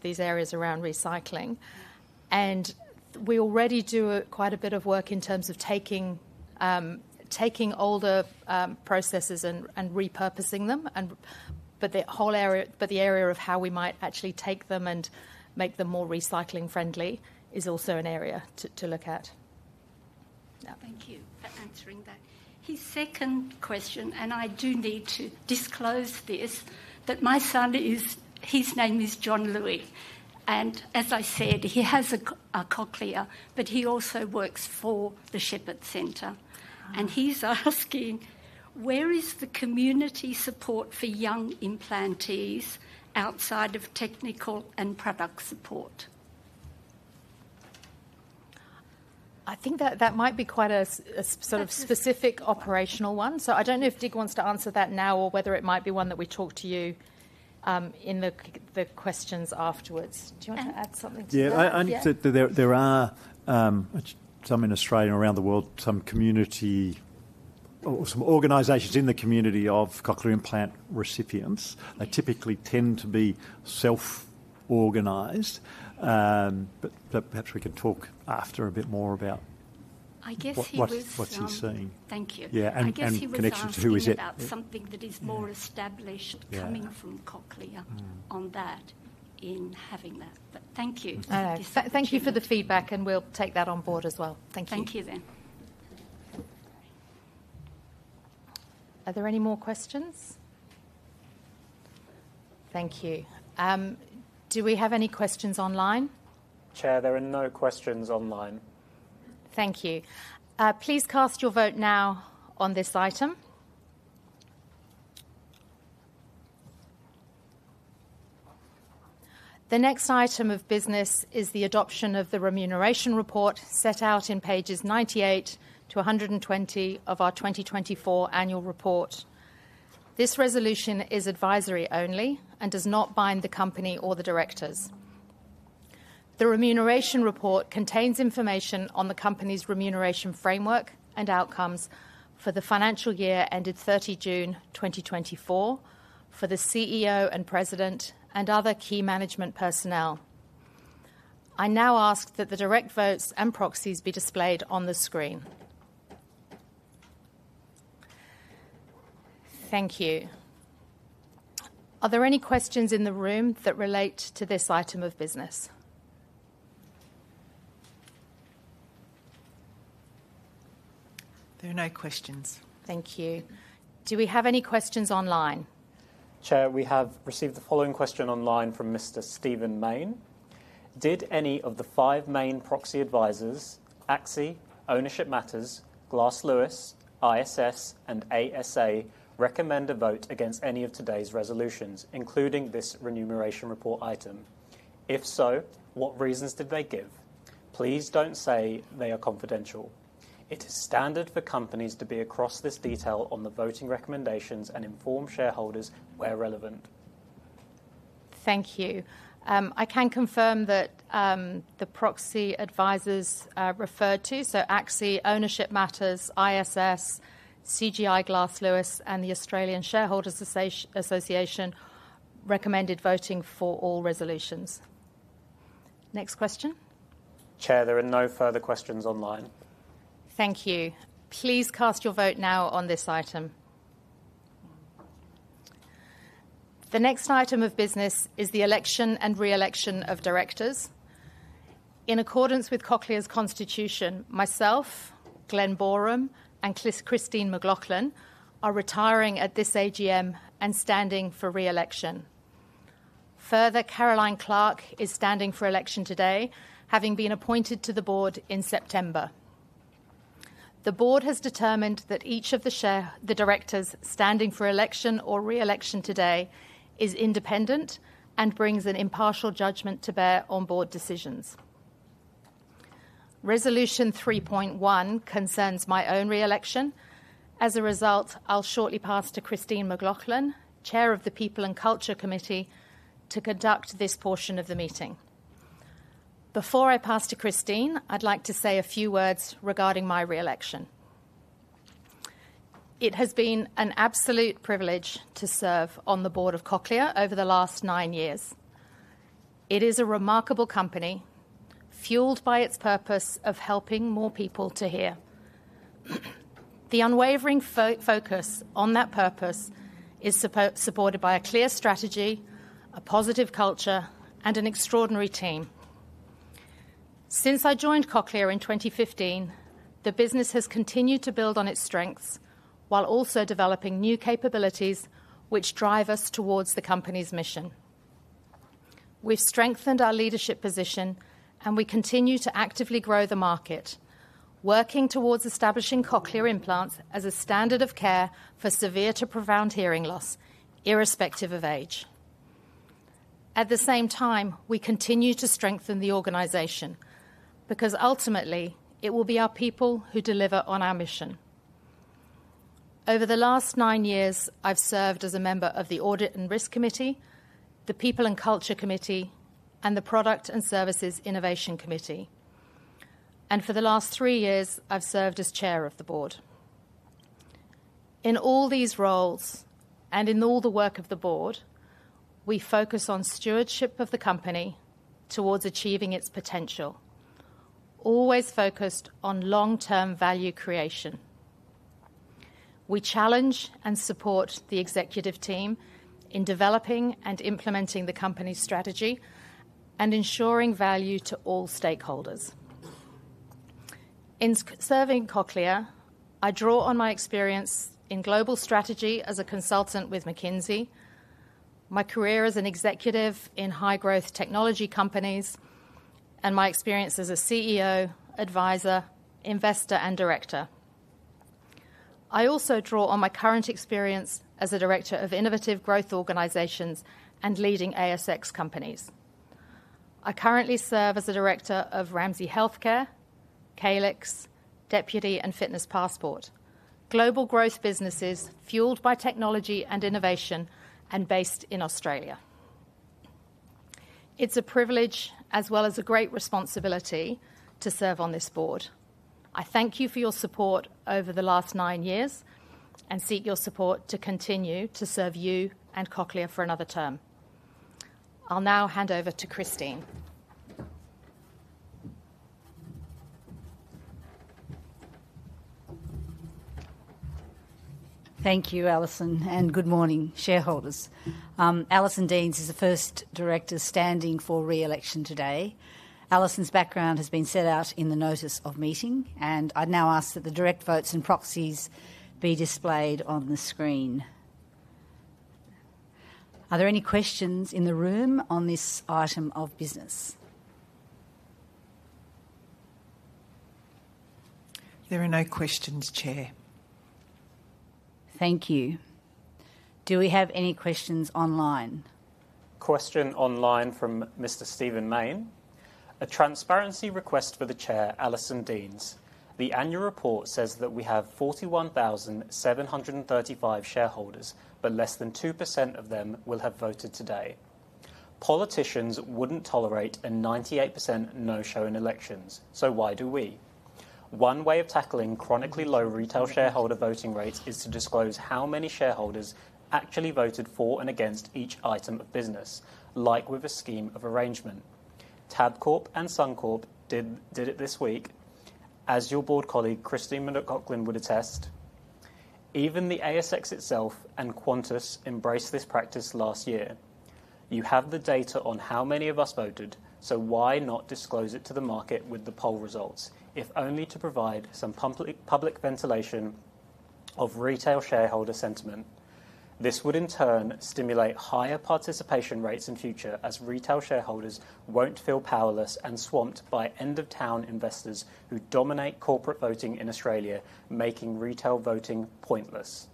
these areas around recycling. And we already do quite a bit of work in terms of taking older processors and repurposing them, and. But the area of how we might actually take them and make them more recycling-friendly is also an area to look at. Yeah, thank you for answering that. His second question, and I do need to disclose this, that my son is, his name is John Louis, and as I said, he has a Cochlear, but he also works for the Shepherd Centre. Ah. He's asking: Where is the community support for young implantees outside of technical and product support? I think that might be quite a sort of specific, operational one, so I don't know if Dig wants to answer that now or whether it might be one that we talk to you in the questions afterwards. Do you want to add something to that? Yeah. Yeah. There are some in Australia and around the world, some community or some organizations in the community of Cochlear implant recipients. They typically tend to be self-organized. But perhaps we can talk after a bit more about- I guess he was. What, what's he seeing. Thank you. Yeah, and I guess he was asking In connection to who is it about something that is Yeah more established Yeah Coming from Cochlear. On that, in having that. But thank you for discussing it. Thank you for the feedback, and we'll take that on board as well. Thank you. Thank you, then. Are there any more questions? Thank you. Do we have any questions online? Chair, there are no questions online. Thank you. Please cast your vote now on this item. The next item of business is the adoption of the remuneration report, set out in pages 98 to 120 of our 2024 annual report. This resolution is advisory only and does not bind the company or the directors. The remuneration report contains information on the company's remuneration framework and outcomes for the financial year, ended 30 June 2024, for the CEO and president and other key management personnel. I now ask that the direct votes and proxies be displayed on the screen. Thank you. Are there any questions in the room that relate to this item of business? There are no questions. Thank you. Do we have any questions online? Chair, we have received the following question online from Mr. Stephen Mayne: Did any of the five main proxy advisors, ACSI, Ownership Matters, Glass Lewis, ISS, and ASA, recommend a vote against any of today's resolutions, including this remuneration report item? If so, what reasons did they give? Please don't say they are confidential. It is standard for companies to be across this detail on the voting recommendations and inform shareholders where relevant. Thank you. I can confirm that the proxy advisors are referred to, so ACSI, Ownership Matters, ISS, Glass Lewis, and the Australian Shareholders' Association recommended voting for all resolutions. Next question? Chair, there are no further questions online. Thank you. Please cast your vote now on this item. The next item of business is the election and re-election of directors. In accordance with Cochlear's constitution, myself, Glen Boreham, and Christine McLoughlin, are retiring at this AGM and standing for re-election. Further, Caroline Clarke is standing for election today, having been appointed to the board in September. The board has determined that each of the directors standing for election or re-election today is independent and brings an impartial judgment to bear on board decisions. Resolution three point one concerns my own re-election. As a result, I'll shortly pass to Christine McLoughlin, Chair of the People and Culture Committee, to conduct this portion of the meeting. Before I pass to Christine, I'd like to say a few words regarding my re-election. It has been an absolute privilege to serve on the board of Cochlear over the last nine years. It is a remarkable company, fueled by its purpose of helping more people to hear. The unwavering focus on that purpose is supported by a clear strategy, a positive culture, and an extraordinary team. Since I joined Cochlear in twenty fifteen, the business has continued to build on its strengths, while also developing new capabilities which drive us towards the company's mission. We've strengthened our leadership position, and we continue to actively grow the market, working towards establishing cochlear implants as a standard of care for severe to profound hearing loss, irrespective of age. At the same time, we continue to strengthen the organization, because ultimately it will be our people who deliver on our mission. Over the last nine years, I've served as a member of the Audit and Risk Committee, the People and Culture Committee, and the Product and Services Innovation Committee, and for the last three years, I've served as chair of the board. In all these roles, and in all the work of the board, we focus on stewardship of the company towards achieving its potential, always focused on long-term value creation. We challenge and support the executive team in developing and implementing the company's strategy and ensuring value to all stakeholders. In serving Cochlear, I draw on my experience in global strategy as a consultant with McKinsey, my career as an executive in high-growth technology companies, and my experience as a CEO, advisor, investor, and director. I also draw on my current experience as a director of innovative growth organizations and leading ASX companies. I currently serve as a director of Ramsay Health Care, Calix, Deputy, and Fitness Passport, global growth businesses fueled by technology and innovation and based in Australia. It's a privilege as well as a great responsibility to serve on this board. I thank you for your support over the last nine years and seek your support to continue to serve you and Cochlear for another term. I'll now hand over to Christine. Thank you, Alison, and good morning, shareholders. Alison Deans is the first director standing for re-election today. Alison's background has been set out in the notice of meeting, and I now ask that the direct votes and proxies be displayed on the screen. Are there any questions in the room on this item of business? There are no questions, Chair. Thank you. Do we have any questions online? Question online from Mr. Stephen Mayne: A transparency request for the Chair, Alison Deans. The annual report says that we have 41,735 shareholders, but less than 2% of them will have voted today. Politicians wouldn't tolerate a 98% no-show in elections, so why do we? One way of tackling chronically low retail shareholder voting rates is to disclose how many shareholders actually voted for and against each item of business, like with a scheme of arrangement. Tabcorp and Suncorp did it this week. As your board colleague, Christine McLoughlin, would attest, even the ASX itself and Qantas embraced this practice last year. You have the data on how many of us voted, so why not disclose it to the market with the poll results, if only to provide some public ventilation of retail shareholder sentiment? This would, in turn, stimulate higher participation rates in future as retail shareholders won't feel powerless and swamped by end-of-town investors who dominate corporate voting in Australia, making retail voting pointless.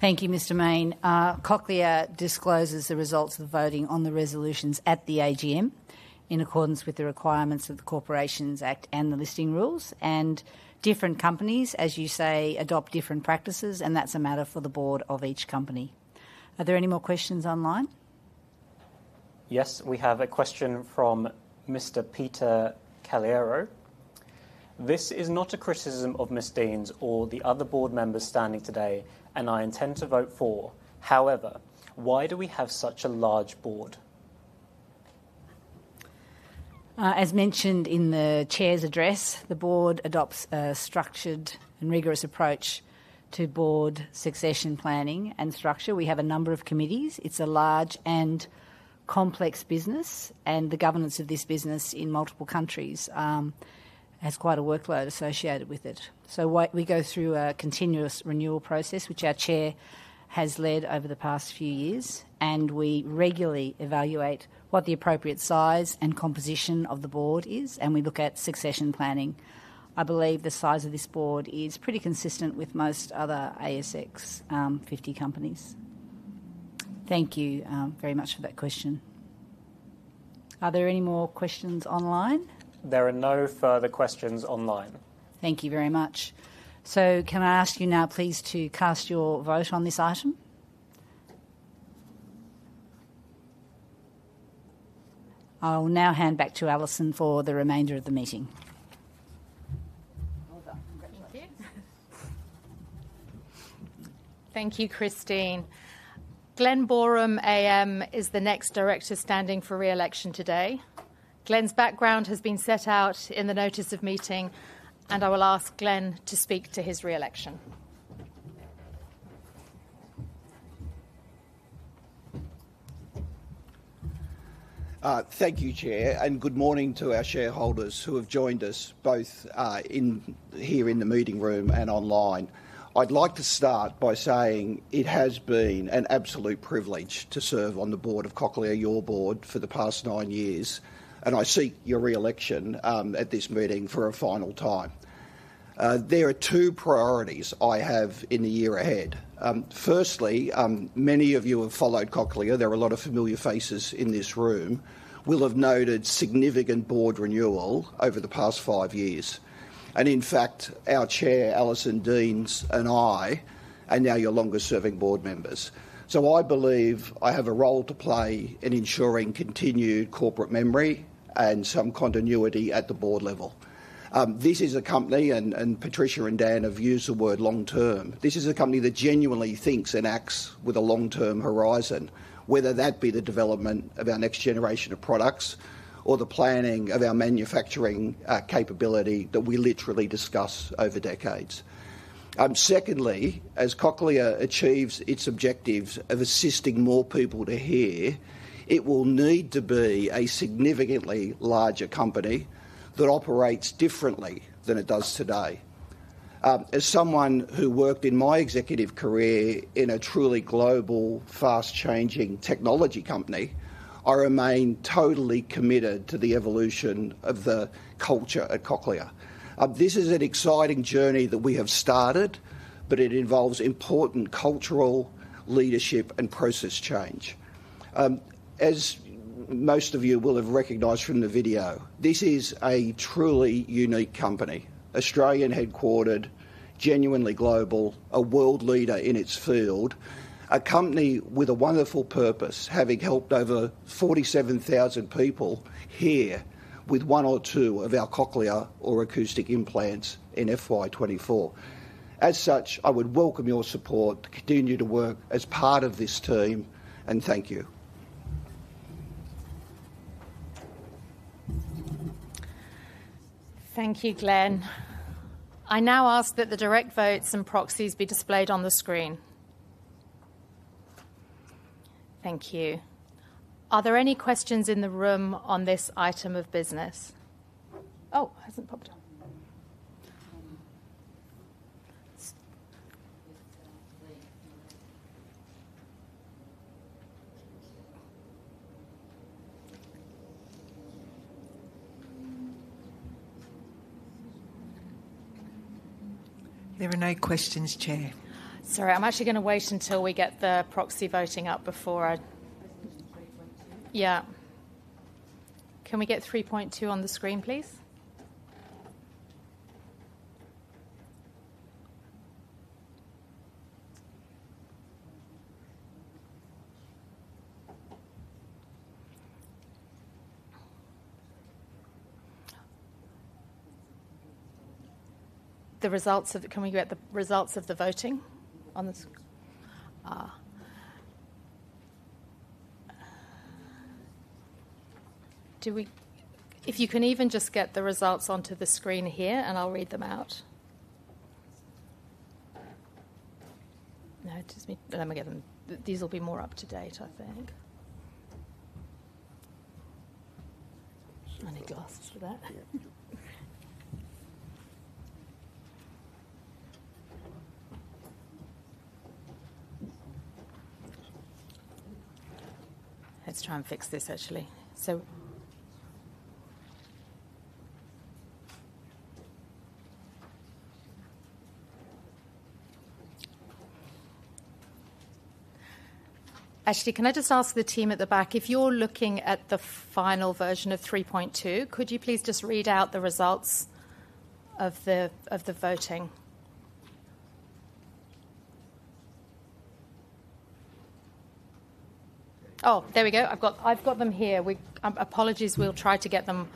Thank you, Mr Main. Cochlear discloses the results of the voting on the resolutions at the AGM in accordance with the requirements of the Corporations Act and the listing rules, and different companies, as you say, adopt different practices, and that's a matter for the board of each company. Are there any more questions online? Yes, we have a question from Mr. Peter Caliero: This is not a criticism of Ms. Deans or the other board members standing today, and I intend to vote for. However, why do we have such a large board? As mentioned in the chair's address, the board adopts a structured and rigorous approach to board succession planning and structure. We have a number of committees. It's a large and complex business, and the governance of this business in multiple countries has quite a workload associated with it. We go through a continuous renewal process, which our chair has led over the past few years, and we regularly evaluate what the appropriate size and composition of the board is, and we look at succession planning. I believe the size of this board is pretty consistent with most other ASX 50 companies. Thank you very much for that question. Are there any more questions online? There are no further questions online. Thank you very much. So can I ask you now, please, to cast your vote on this item? I'll now hand back to Alison for the remainder of the meeting. Well done. Congratulations. Thank you. Thank you, Christine. Glen Boreham, AM, is the next director standing for re-election today. Glen's background has been set out in the notice of meeting, and I will ask Glen to speak to his re-election. Thank you, Chair, and good morning to our shareholders who have joined us, both in here in the meeting room and online. I'd like to start by saying it has been an absolute privilege to serve on the board of Cochlear, your board, for the past nine years, and I seek your re-election at this meeting for a final time. There are two priorities I have in the year ahead. Firstly, many of you have followed Cochlear, there are a lot of familiar faces in this room, will have noted significant board renewal over the past five years. And in fact, our chair, Alison Deans, and I are now your longest-serving board members. So I believe I have a role to play in ensuring continued corporate memory and some continuity at the board level. This is a company, and Patricia and Dan have used the word long-term. This is a company that genuinely thinks and acts with a long-term horizon, whether that be the development of our next generation of products or the planning of our manufacturing capability that we literally discuss over decades. Secondly, as Cochlear achieves its objectives of assisting more people to hear, it will need to be a significantly larger company that operates differently than it does today. As someone who worked in my executive career in a truly global, fast-changing technology company, I remain totally committed to the evolution of the culture at Cochlear. This is an exciting journey that we have started, but it involves important cultural leadership and process change. As most of you will have recognized from the video, this is a truly unique company. Australian headquartered, genuinely global, a world leader in its field. A company with a wonderful purpose, having helped over 47,000 people hear with one or two of our Cochlear or acoustic implants in FY 2024. As such, I would welcome your support to continue to work as part of this team, and thank you. Thank you, Glen. I now ask that the direct votes and proxies be displayed on the screen. Thank you. Are there any questions in the room on this item of business? Oh, it hasn't popped up. There are no questions, Chair. Sorry, I'm actually gonna wait until we get the proxy voting up before I- Resolution 3.2? Yeah. Can we get three point two on the screen, please? The results of the... Can we get the results of the voting on the screen? If you can even just get the results onto the screen here, and I'll read them out. No, Let me get them. These will be more up to date, I think. I need glasses for that. Yeah. Let's try and fix this, actually. Actually, can I just ask the team at the back, if you're looking at the final version of three point two, could you please just read out the results of the voting? Oh, there we go. I've got them here. Apologies, we'll try to get them.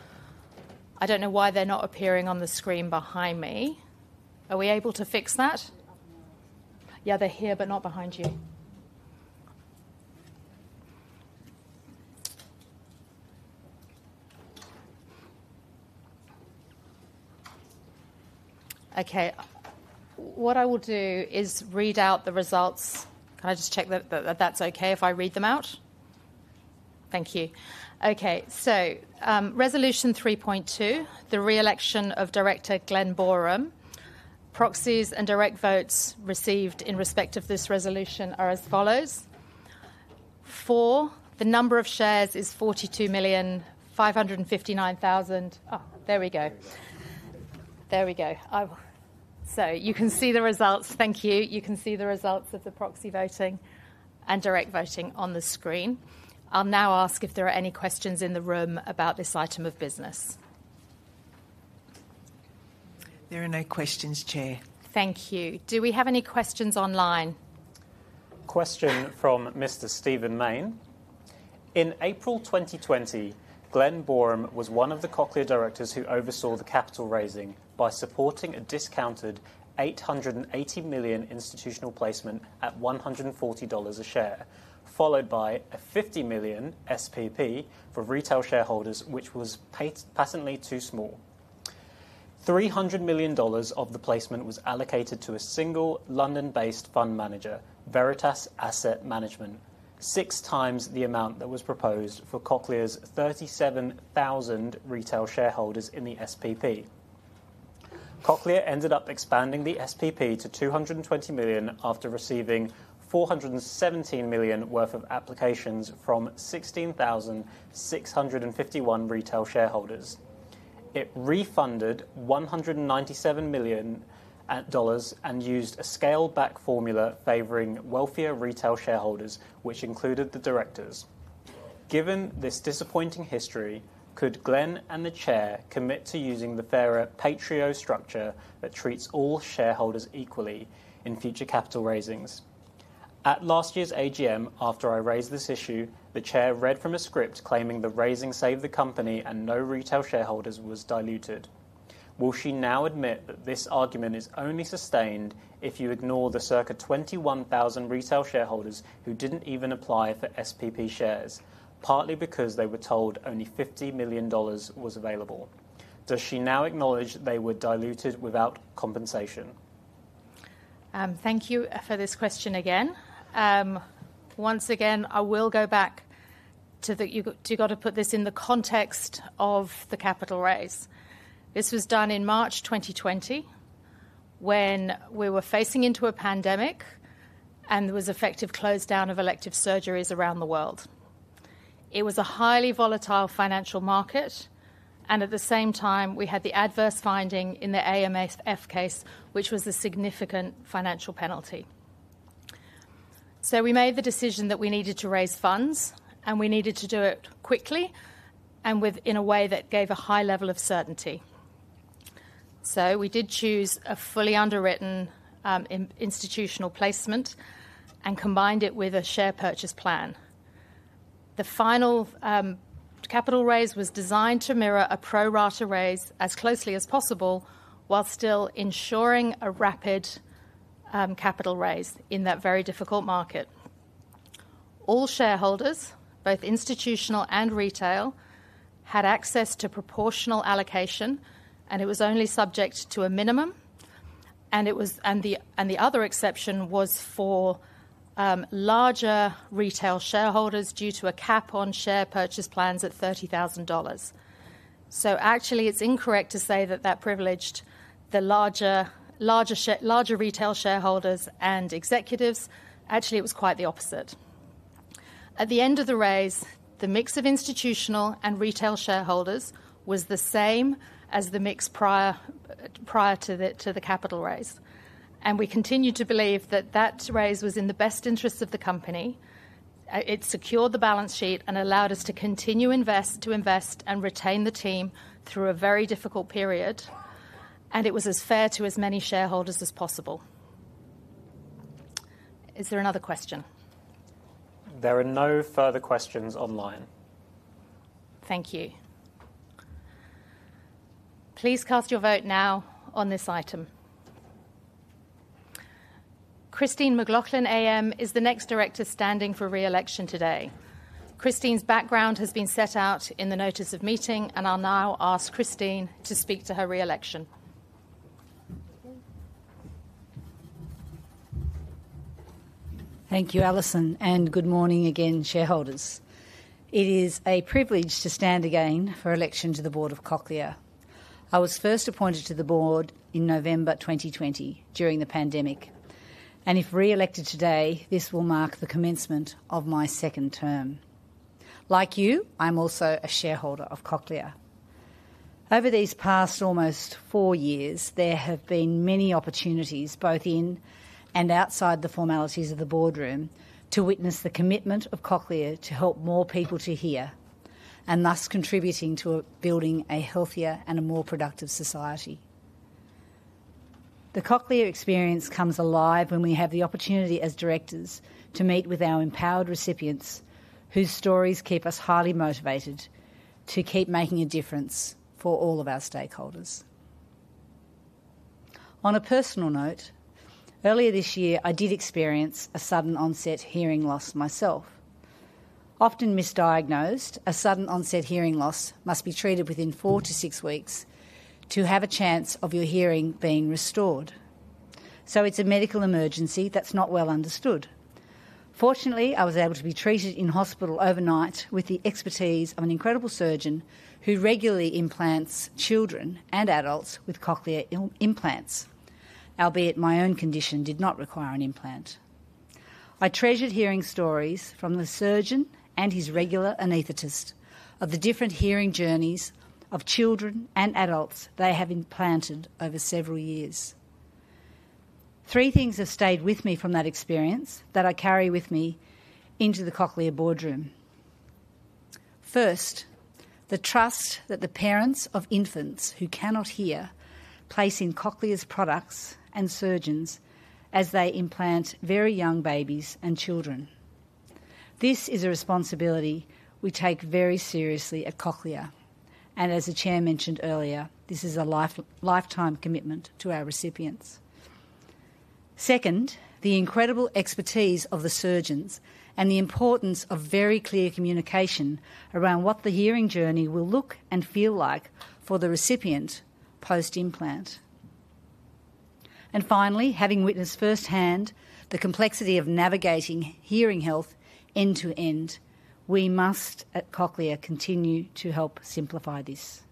I don't know why they're not appearing on the screen behind me. Are we able to fix that? Up and up. Yeah, they're here, but not behind you. Okay, what I will do is read out the results. Can I just check that that's okay if I read them out? Thank you. Okay, so, resolution 3.2, the re-election of Director Glen Boreham. Proxies and direct votes received in respect of this resolution are as follows: For, the number of shares is 42 million five hundred and fifty-nine thousand. Oh, there we go. There you go. There we go. So you can see the results. Thank you. You can see the results of the proxy voting and direct voting on the screen. I'll now ask if there are any questions in the room about this item of business? There are no questions, Chair. Thank you. Do we have any questions online? Question from Mr. Stephen Mayne: In April 2020, Glen Boreham was one of the Cochlear directors who oversaw the capital raising by supporting a discounted 880 million institutional placement at 140 dollars a share, followed by a 50 million SPP for retail shareholders, which was patently too small. 300 million dollars of the placement was allocated to a single London-based fund manager, Veritas Asset Management, six times the amount that was proposed for Cochlear's 37,000 retail shareholders in the SPP. Cochlear ended up expanding the SPP to 220 million after receiving 417 million worth of applications from 16,651 retail shareholders. It refunded 197 million dollars and used a scaled-back formula favoring wealthier retail shareholders, which included the directors. Given this disappointing history, could Glen and the Chair commit to using the fairer PAITREO structure that treats all shareholders equally in future capital raisings? At last year's AGM, after I raised this issue, the Chair read from a script claiming the raising saved the company and no retail shareholders was diluted. Will she now admit that this argument is only sustained if you ignore the circa 21,000 retail shareholders who didn't even apply for SPP shares, partly because they were told only 50 million dollars was available? Does she now acknowledge they were diluted without compensation? Thank you for this question again. Once again, I will go back to the... You got to put this in the context of the capital raise. This was done in March 2020, when we were facing into a pandemic and there was effective close down of elective surgeries around the world. It was a highly volatile financial market, and at the same time, we had the adverse finding in the AMF case, which was a significant financial penalty. So we made the decision that we needed to raise funds, and we needed to do it quickly and within a way that gave a high level of certainty. So we did choose a fully underwritten institutional placement and combined it with a share purchase plan. The final capital raise was designed to mirror a pro rata raise as closely as possible, while still ensuring a rapid capital raise in that very difficult market. All shareholders, both institutional and retail, had access to proportional allocation, and it was only subject to a minimum, and the other exception was for larger retail shareholders due to a cap on share purchase plans at 30,000 dollars. So actually, it's incorrect to say that that privileged the larger retail shareholders and executives. Actually, it was quite the opposite. At the end of the raise, the mix of institutional and retail shareholders was the same as the mix prior to the capital raise, and we continue to believe that that raise was in the best interest of the company. It secured the balance sheet and allowed us to continue to invest and retain the team through a very difficult period, and it was as fair to as many shareholders as possible. Is there another question? There are no further questions online. Thank you. Please cast your vote now on this item. Christine McLoughlin AM is the next director standing for re-election today. Christine's background has been set out in the notice of meeting, and I'll now ask Christine to speak to her re-election. Thank you, Alison, and good morning again, shareholders. It is a privilege to stand again for election to the board of Cochlear. I was first appointed to the board in November twenty twenty, during the pandemic, and if re-elected today, this will mark the commencement of my second term. Like you, I'm also a shareholder of Cochlear. Over these past almost four years, there have been many opportunities, both in and outside the formalities of the boardroom, to witness the commitment of Cochlear to help more people to hear, and thus contributing to building a healthier and a more productive society. The Cochlear experience comes alive when we have the opportunity, as directors, to meet with our empowered recipients, whose stories keep us highly motivated to keep making a difference for all of our stakeholders. On a personal note, earlier this year, I did experience a sudden onset hearing loss myself. Often misdiagnosed, a sudden onset hearing loss must be treated within four to six weeks to have a chance of your hearing being restored. So it's a medical emergency that's not well understood. Fortunately, I was able to be treated in hospital overnight with the expertise of an incredible surgeon who regularly implants children and adults with cochlear implants, albeit my own condition did not require an implant. I treasured hearing stories from the surgeon and his regular anesthetist of the different hearing journeys of children and adults they have implanted over several years. Three things have stayed with me from that experience that I carry with me into the Cochlear boardroom. First, the trust that the parents of infants who cannot hear place in Cochlear's products and surgeons as they implant very young babies and children. This is a responsibility we take very seriously at Cochlear, and as the Chair mentioned earlier, this is a lifetime commitment to our recipients. Second, the incredible expertise of the surgeons and the importance of very clear communication around what the hearing journey will look and feel like for the recipient post-implant, and finally, having witnessed firsthand the complexity of navigating hearing health end-to-end, we must, at Cochlear, continue to help simplify this,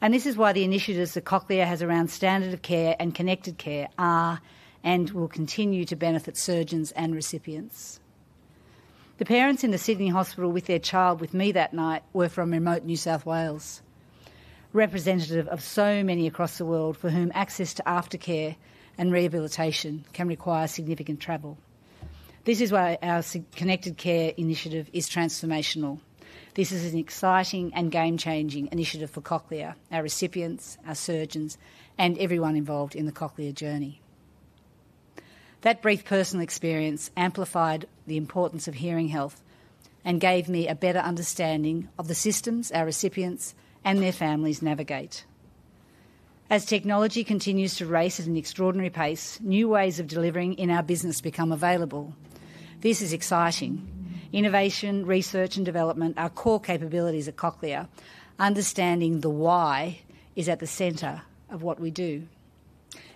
and this is why the initiatives that Cochlear has around standard of care and connected care are and will continue to benefit surgeons and recipients. The parents in the Sydney hospital with their child with me that night were from remote New South Wales, representative of so many across the world, for whom access to aftercare and rehabilitation can require significant travel. This is why our Cochlear Connected Care initiative is transformational. This is an exciting and game-changing initiative for Cochlear, our recipients, our surgeons, and everyone involved in the Cochlear journey. That brief personal experience amplified the importance of hearing health and gave me a better understanding of the systems our recipients and their families navigate. As technology continues to race at an extraordinary pace, new ways of delivering in our business become available. This is exciting. Innovation, research, and development are core capabilities at Cochlear. Understanding the why is at the center of what we do.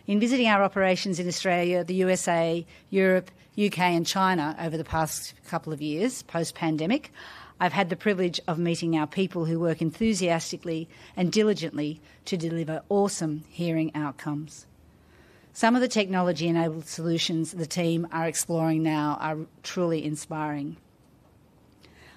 In visiting our operations in Australia, the USA, Europe, U.K., and China over the past couple of years post-pandemic, I've had the privilege of meeting our people who work enthusiastically and diligently to deliver awesome hearing outcomes. Some of the technology-enabled solutions the team are exploring now are truly inspiring.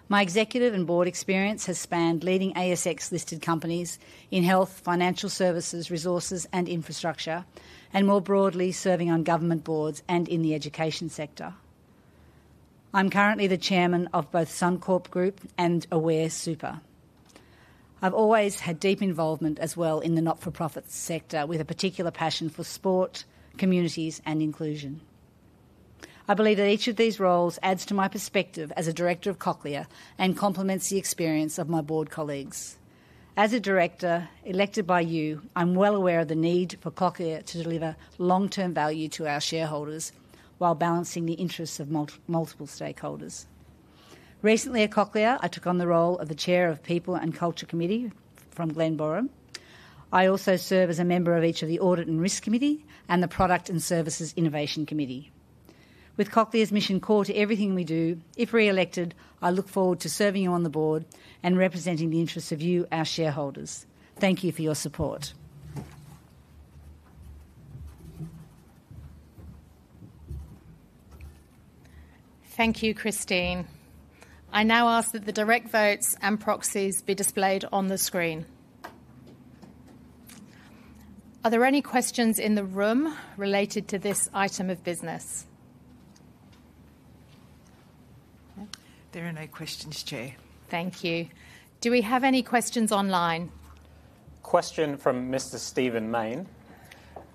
My executive and board experience has spanned leading ASX-listed companies in health, financial services, resources, and infrastructure, and more broadly, serving on government boards and in the education sector. I'm currently the chairman of both Suncorp Group and Aware Super. I've always had deep involvement as well in the not-for-profit sector, with a particular passion for sport, communities, and inclusion. I believe that each of these roles adds to my perspective as a director of Cochlear and complements the experience of my board colleagues. As a director elected by you, I'm well aware of the need for Cochlear to deliver long-term value to our shareholders while balancing the interests of multiple stakeholders. Recently at Cochlear, I took on the role of the Chair of the People and Culture Committee from Glen Boreham. I also serve as a member of each of the Audit and Risk Committee and the Product and Services Innovation Committee. With Cochlear's mission core to everything we do, if reelected, I look forward to serving you on the board and representing the interests of you, our shareholders. Thank you for your support. Thank you, Christine. I now ask that the direct votes and proxies be displayed on the screen. Are there any questions in the room related to this item of business? There are no questions, Chair. Thank you. Do we have any questions online? Question from Mr. Stephen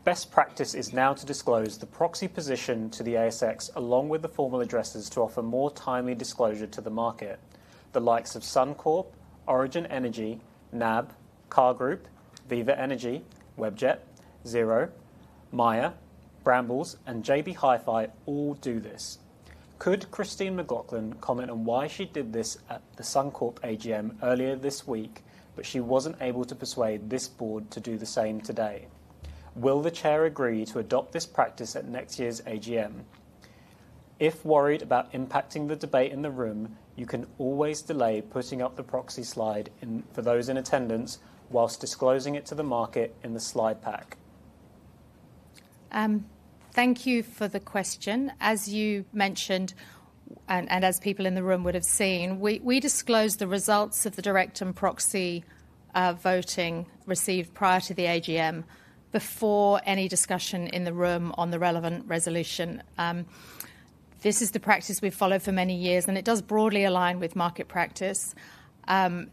Mayne: Best practice is now to disclose the proxy position to the ASX, along with the formal addresses, to offer more timely disclosure to the market. The likes of Suncorp, Origin Energy, NAB, CAR Group, Viva Energy, Webjet, Xero, Myer, Brambles, and JB Hi-Fi all do this. Could Christine McLoughlin comment on why she did this at the Suncorp AGM earlier this week, but she wasn't able to persuade this board to do the same today? Will the Chair agree to adopt this practice at next year's AGM? If worried about impacting the debate in the room, you can always delay putting up the proxy slide in, for those in attendance while disclosing it to the market in the slide pack. Thank you for the question. As you mentioned, and as people in the room would have seen, we disclosed the results of the direct and proxy voting received prior to the AGM before any discussion in the room on the relevant resolution. This is the practice we've followed for many years, and it does broadly align with market practice. And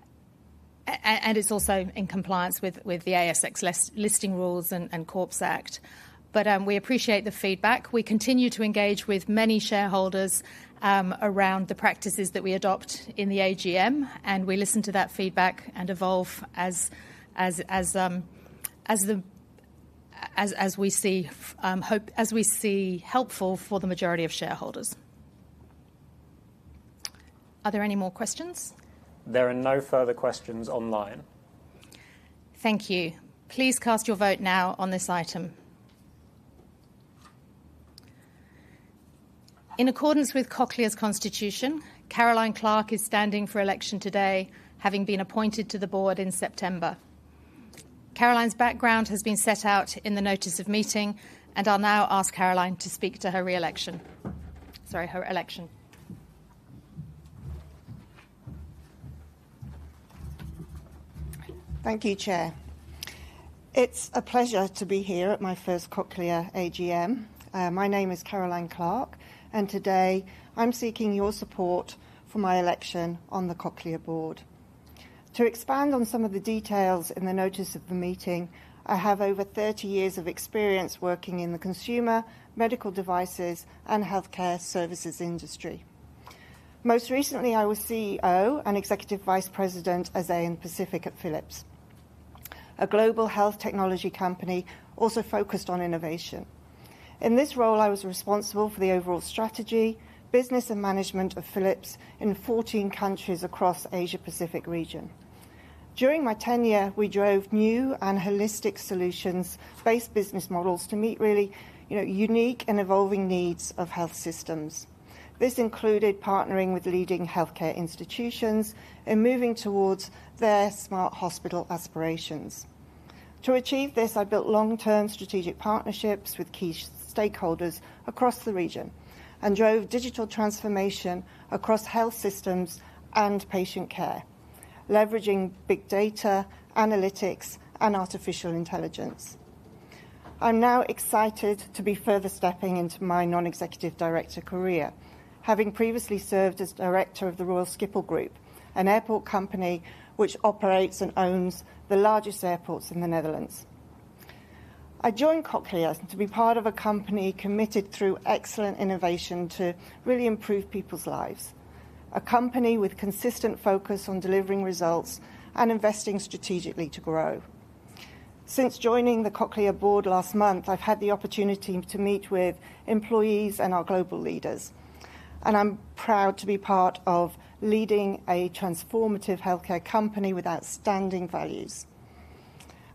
it's also in compliance with the ASX Listing Rules and Corporations Act. But we appreciate the feedback. We continue to engage with many shareholders around the practices that we adopt in the AGM, and we listen to that feedback and evolve as we see helpful for the majority of shareholders. Are there any more questions? There are no further questions online. Thank you. Please cast your vote now on this item. In accordance with Cochlear's constitution, Caroline Clark is standing for election today, having been appointed to the board in September. Caroline's background has been set out in the notice of meeting, and I'll now ask Caroline to speak to her re-election. Sorry, her election. Thank you, Chair. It's a pleasure to be here at my first Cochlear AGM. My name is Caroline Clarke, and today I'm seeking your support for my election on the Cochlear board. To expand on some of the details in the notice of the meeting, I have over thirty years of experience working in the consumer, medical devices, and healthcare services industry. Most recently, I was CEO and Executive Vice President, ASEAN Pacific at Philips, a global health technology company also focused on innovation. In this role, I was responsible for the overall strategy, business, and management of Philips in fourteen countries across Asia Pacific region. During my tenure, we drove new and holistic solutions-based business models to meet really, you know, unique and evolving needs of health systems. This included partnering with leading healthcare institutions in moving towards their smart hospital aspirations. To achieve this, I built long-term strategic partnerships with key stakeholders across the region and drove digital transformation across health systems and patient care, leveraging big data, analytics, and artificial intelligence. I'm now excited to be further stepping into my non-executive director career, having previously served as director of the Royal Schiphol Group, an airport company which operates and owns the largest airports in the Netherlands. I joined Cochlear to be part of a company committed through excellent innovation to really improve people's lives, a company with consistent focus on delivering results and investing strategically to grow. Since joining the Cochlear board last month, I've had the opportunity to meet with employees and our global leaders, and I'm proud to be part of leading a transformative healthcare company with outstanding values.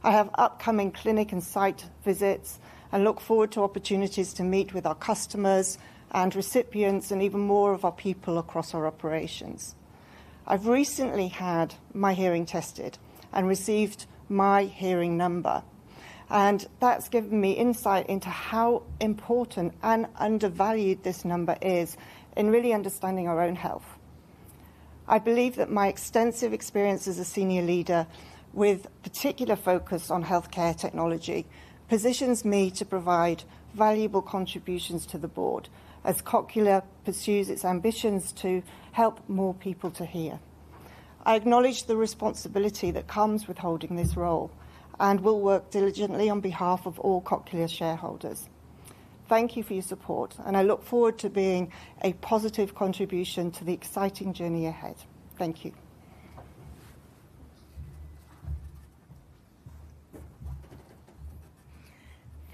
I have upcoming clinic and site visits. I look forward to opportunities to meet with our customers and recipients, and even more of our people across our operations. I've recently had my hearing tested and received my hearing number, and that's given me insight into how important and undervalued this number is in really understanding our own health. I believe that my extensive experience as a senior leader, with particular focus on healthcare technology, positions me to provide valuable contributions to the board as Cochlear pursues its ambitions to help more people to hear. I acknowledge the responsibility that comes with holding this role and will work diligently on behalf of all Cochlear shareholders. Thank you for your support, and I look forward to being a positive contribution to the exciting journey ahead. Thank you.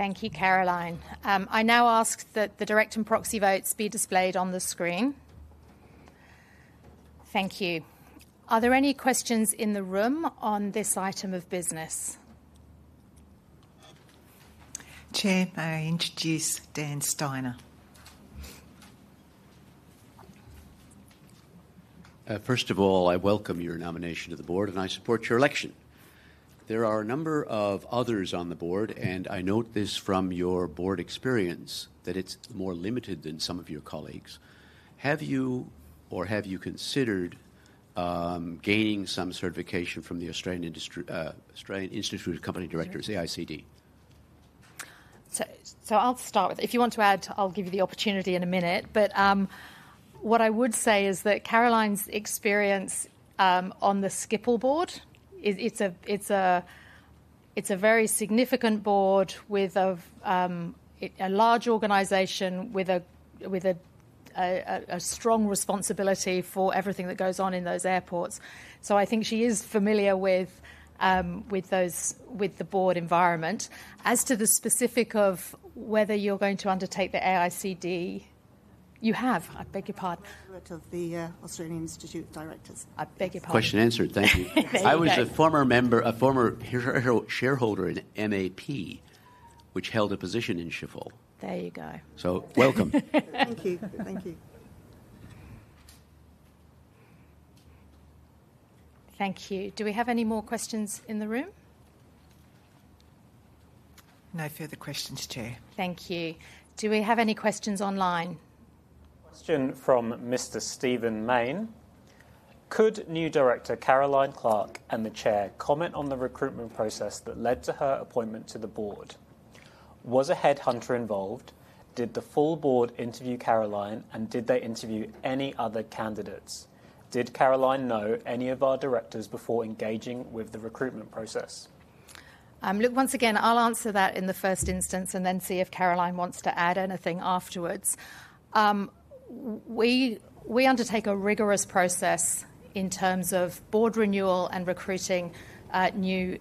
Thank you, Caroline. I now ask that the direct and proxy votes be displayed on the screen. Thank you. Are there any questions in the room on this item of business? Chair, may I introduce Dan Steiner? First of all, I welcome your nomination to the board, and I support your election. There are a number of others on the board, and I note this from your board experience, that it's more limited than some of your colleagues. Have you considered gaining some certification from the Australian Institute of Company Directors, AICD? I'll start with... If you want to add, I'll give you the opportunity in a minute. But what I would say is that Caroline's experience on the Schiphol board, it's a very significant board with a large organization with a strong responsibility for everything that goes on in those airports. So I think she is familiar with the board environment. As to the specific of whether you're going to undertake the AICD... You have? I beg your pardon. Director of the Australian Institute of Company Directors. I beg your pardon. Question answered. Thank you. There you go. I was a former member, a former shareholder in MAP, which held a position in Schiphol. There you go. So, welcome. Thank you. Thank you. Thank you. Do we have any more questions in the room? No further questions, Chair. Thank you. Do we have any questions online? Question from Mr. Stephen Mayne: Could new director Caroline Clark and the Chair comment on the recruitment process that led to her appointment to the board? Was a headhunter involved? Did the full board interview Caroline, and did they interview any other candidates? Did Caroline know any of our directors before engaging with the recruitment process? Look, once again, I'll answer that in the first instance and then see if Caroline wants to add anything afterwards. We undertake a rigorous process in terms of board renewal and recruiting new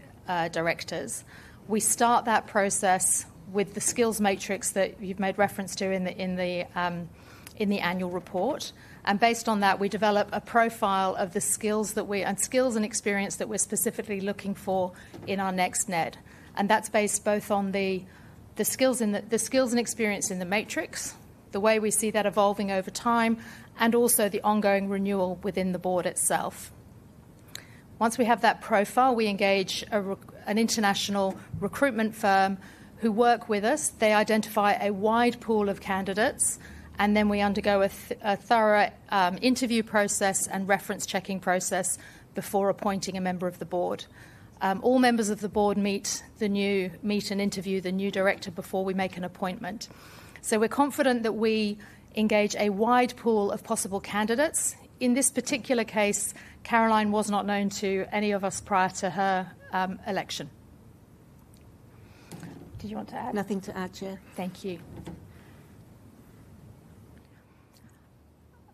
directors. We start that process with the skills matrix that you've made reference to in the annual report. And based on that, we develop a profile of the skills and experience that we're specifically looking for in our next NED. And that's based both on the skills and experience in the matrix, the way we see that evolving over time, and also the ongoing renewal within the board itself. Once we have that profile, we engage an international recruitment firm who work with us. They identify a wide pool of candidates, and then we undergo a thorough interview process and reference checking process before appointing a member of the board. All members of the board meet and interview the new director before we make an appointment. So we're confident that we engage a wide pool of possible candidates. In this particular case, Caroline was not known to any of us prior to her election. Did you want to add? Nothing to add, Chair. Thank you.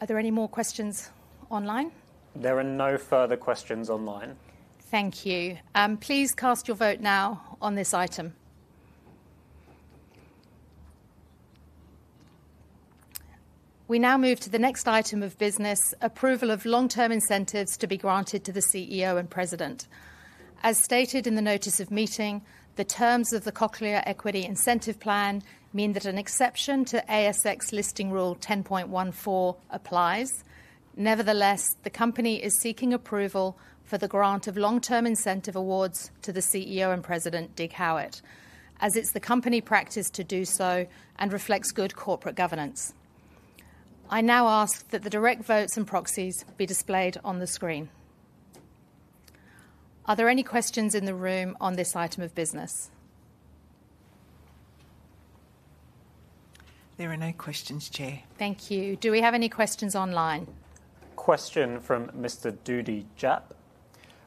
Are there any more questions online? There are no further questions online. Thank you. Please cast your vote now on this item. We now move to the next item of business, approval of long-term incentives to be granted to the CEO and President. As stated in the notice of meeting, the terms of the Cochlear Equity Incentive Plan mean that an exception to ASX Listing Rule 10.14 applies. Nevertheless, the company is seeking approval for the grant of long-term incentive awards to the CEO and President, Dig Howitt, as it's the company practice to do so and reflects good corporate governance. I now ask that the direct votes and proxies be displayed on the screen. Are there any questions in the room on this item of business? There are no questions, Chair. Thank you. Do we have any questions online? Question from Mr. Doodie Jap: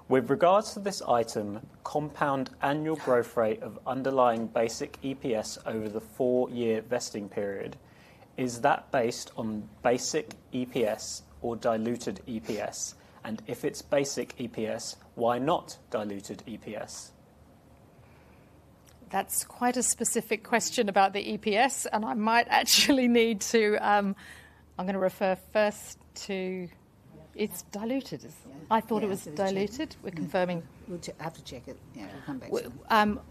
With regards to this item, compound annual growth rate of underlying basic EPS over the four-year vesting period, is that based on basic EPS or diluted EPS? And if it's basic EPS, why not diluted EPS? That's quite a specific question about the EPS, and I might actually need to. I'm gonna refer first to. Yeah. It's diluted, isn't it? Yeah. I thought it was diluted. Yeah, absolutely. We're confirming. We'll have to check it. Yeah, we'll come back to you. I'm pretty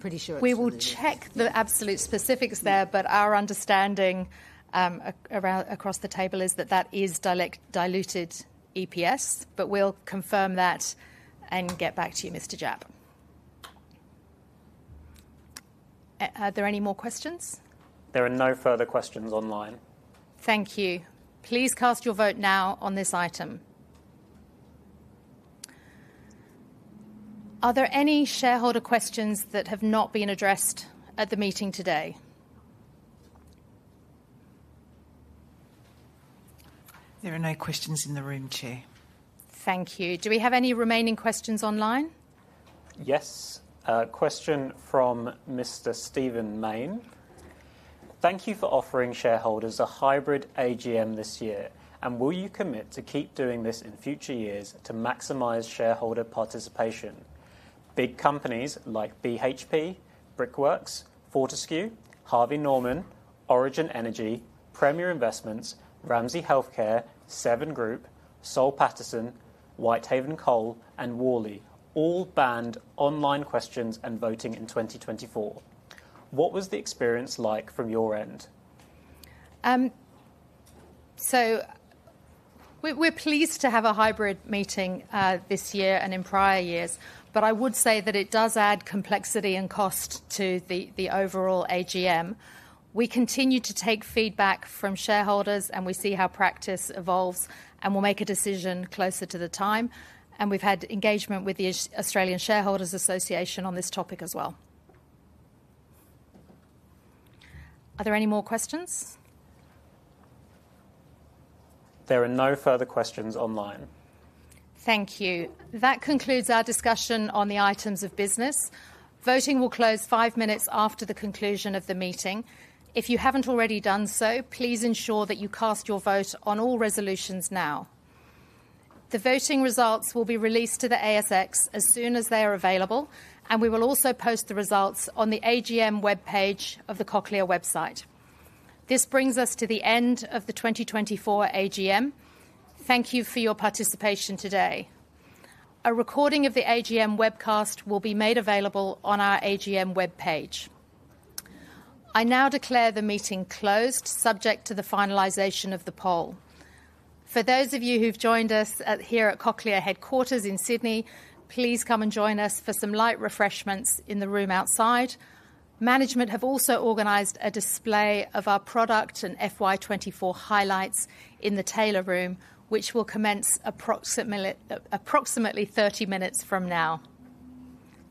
sure it's diluted. We will check the absolute specifics there, but our understanding around across the table is that that is diluted EPS, but we'll confirm that and get back to you, Mr. Jap. Are there any more questions? There are no further questions online. Thank you. Please cast your vote now on this item. Are there any shareholder questions that have not been addressed at the meeting today? There are no questions in the room, Chair. Thank you. Do we have any remaining questions online? Yes. A question from Mr. Stephen Mayne: Thank you for offering shareholders a hybrid AGM this year, and will you commit to keep doing this in future years to maximize shareholder participation? Big companies like BHP, Brickworks, Fortescue, Harvey Norman, Origin Energy, Premier Investments, Ramsay Health Care, Seven Group, Washington H. Soul Pattinson, Whitehaven Coal, and Worley all banned online questions and voting in 2024. What was the experience like from your end? So we're pleased to have a hybrid meeting this year and in prior years, but I would say that it does add complexity and cost to the overall AGM. We continue to take feedback from shareholders, and we see how practice evolves, and we'll make a decision closer to the time, and we've had engagement with the Australian Shareholders' Association on this topic as well. Are there any more questions? There are no further questions online. Thank you. That concludes our discussion on the items of business. Voting will close five minutes after the conclusion of the meeting. If you haven't already done so, please ensure that you cast your vote on all resolutions now. The voting results will be released to the ASX as soon as they are available, and we will also post the results on the AGM webpage of the Cochlear website. This brings us to the end of the 2024 AGM. Thank you for your participation today. A recording of the AGM webcast will be made available on our AGM webpage. I now declare the meeting closed, subject to the finalization of the poll. For those of you who've joined us here at Cochlear headquarters in Sydney, please come and join us for some light refreshments in the room outside. Management have also organized a display of our product and FY24 highlights in the Taylor Room, which will commence approximately thirty minutes from now.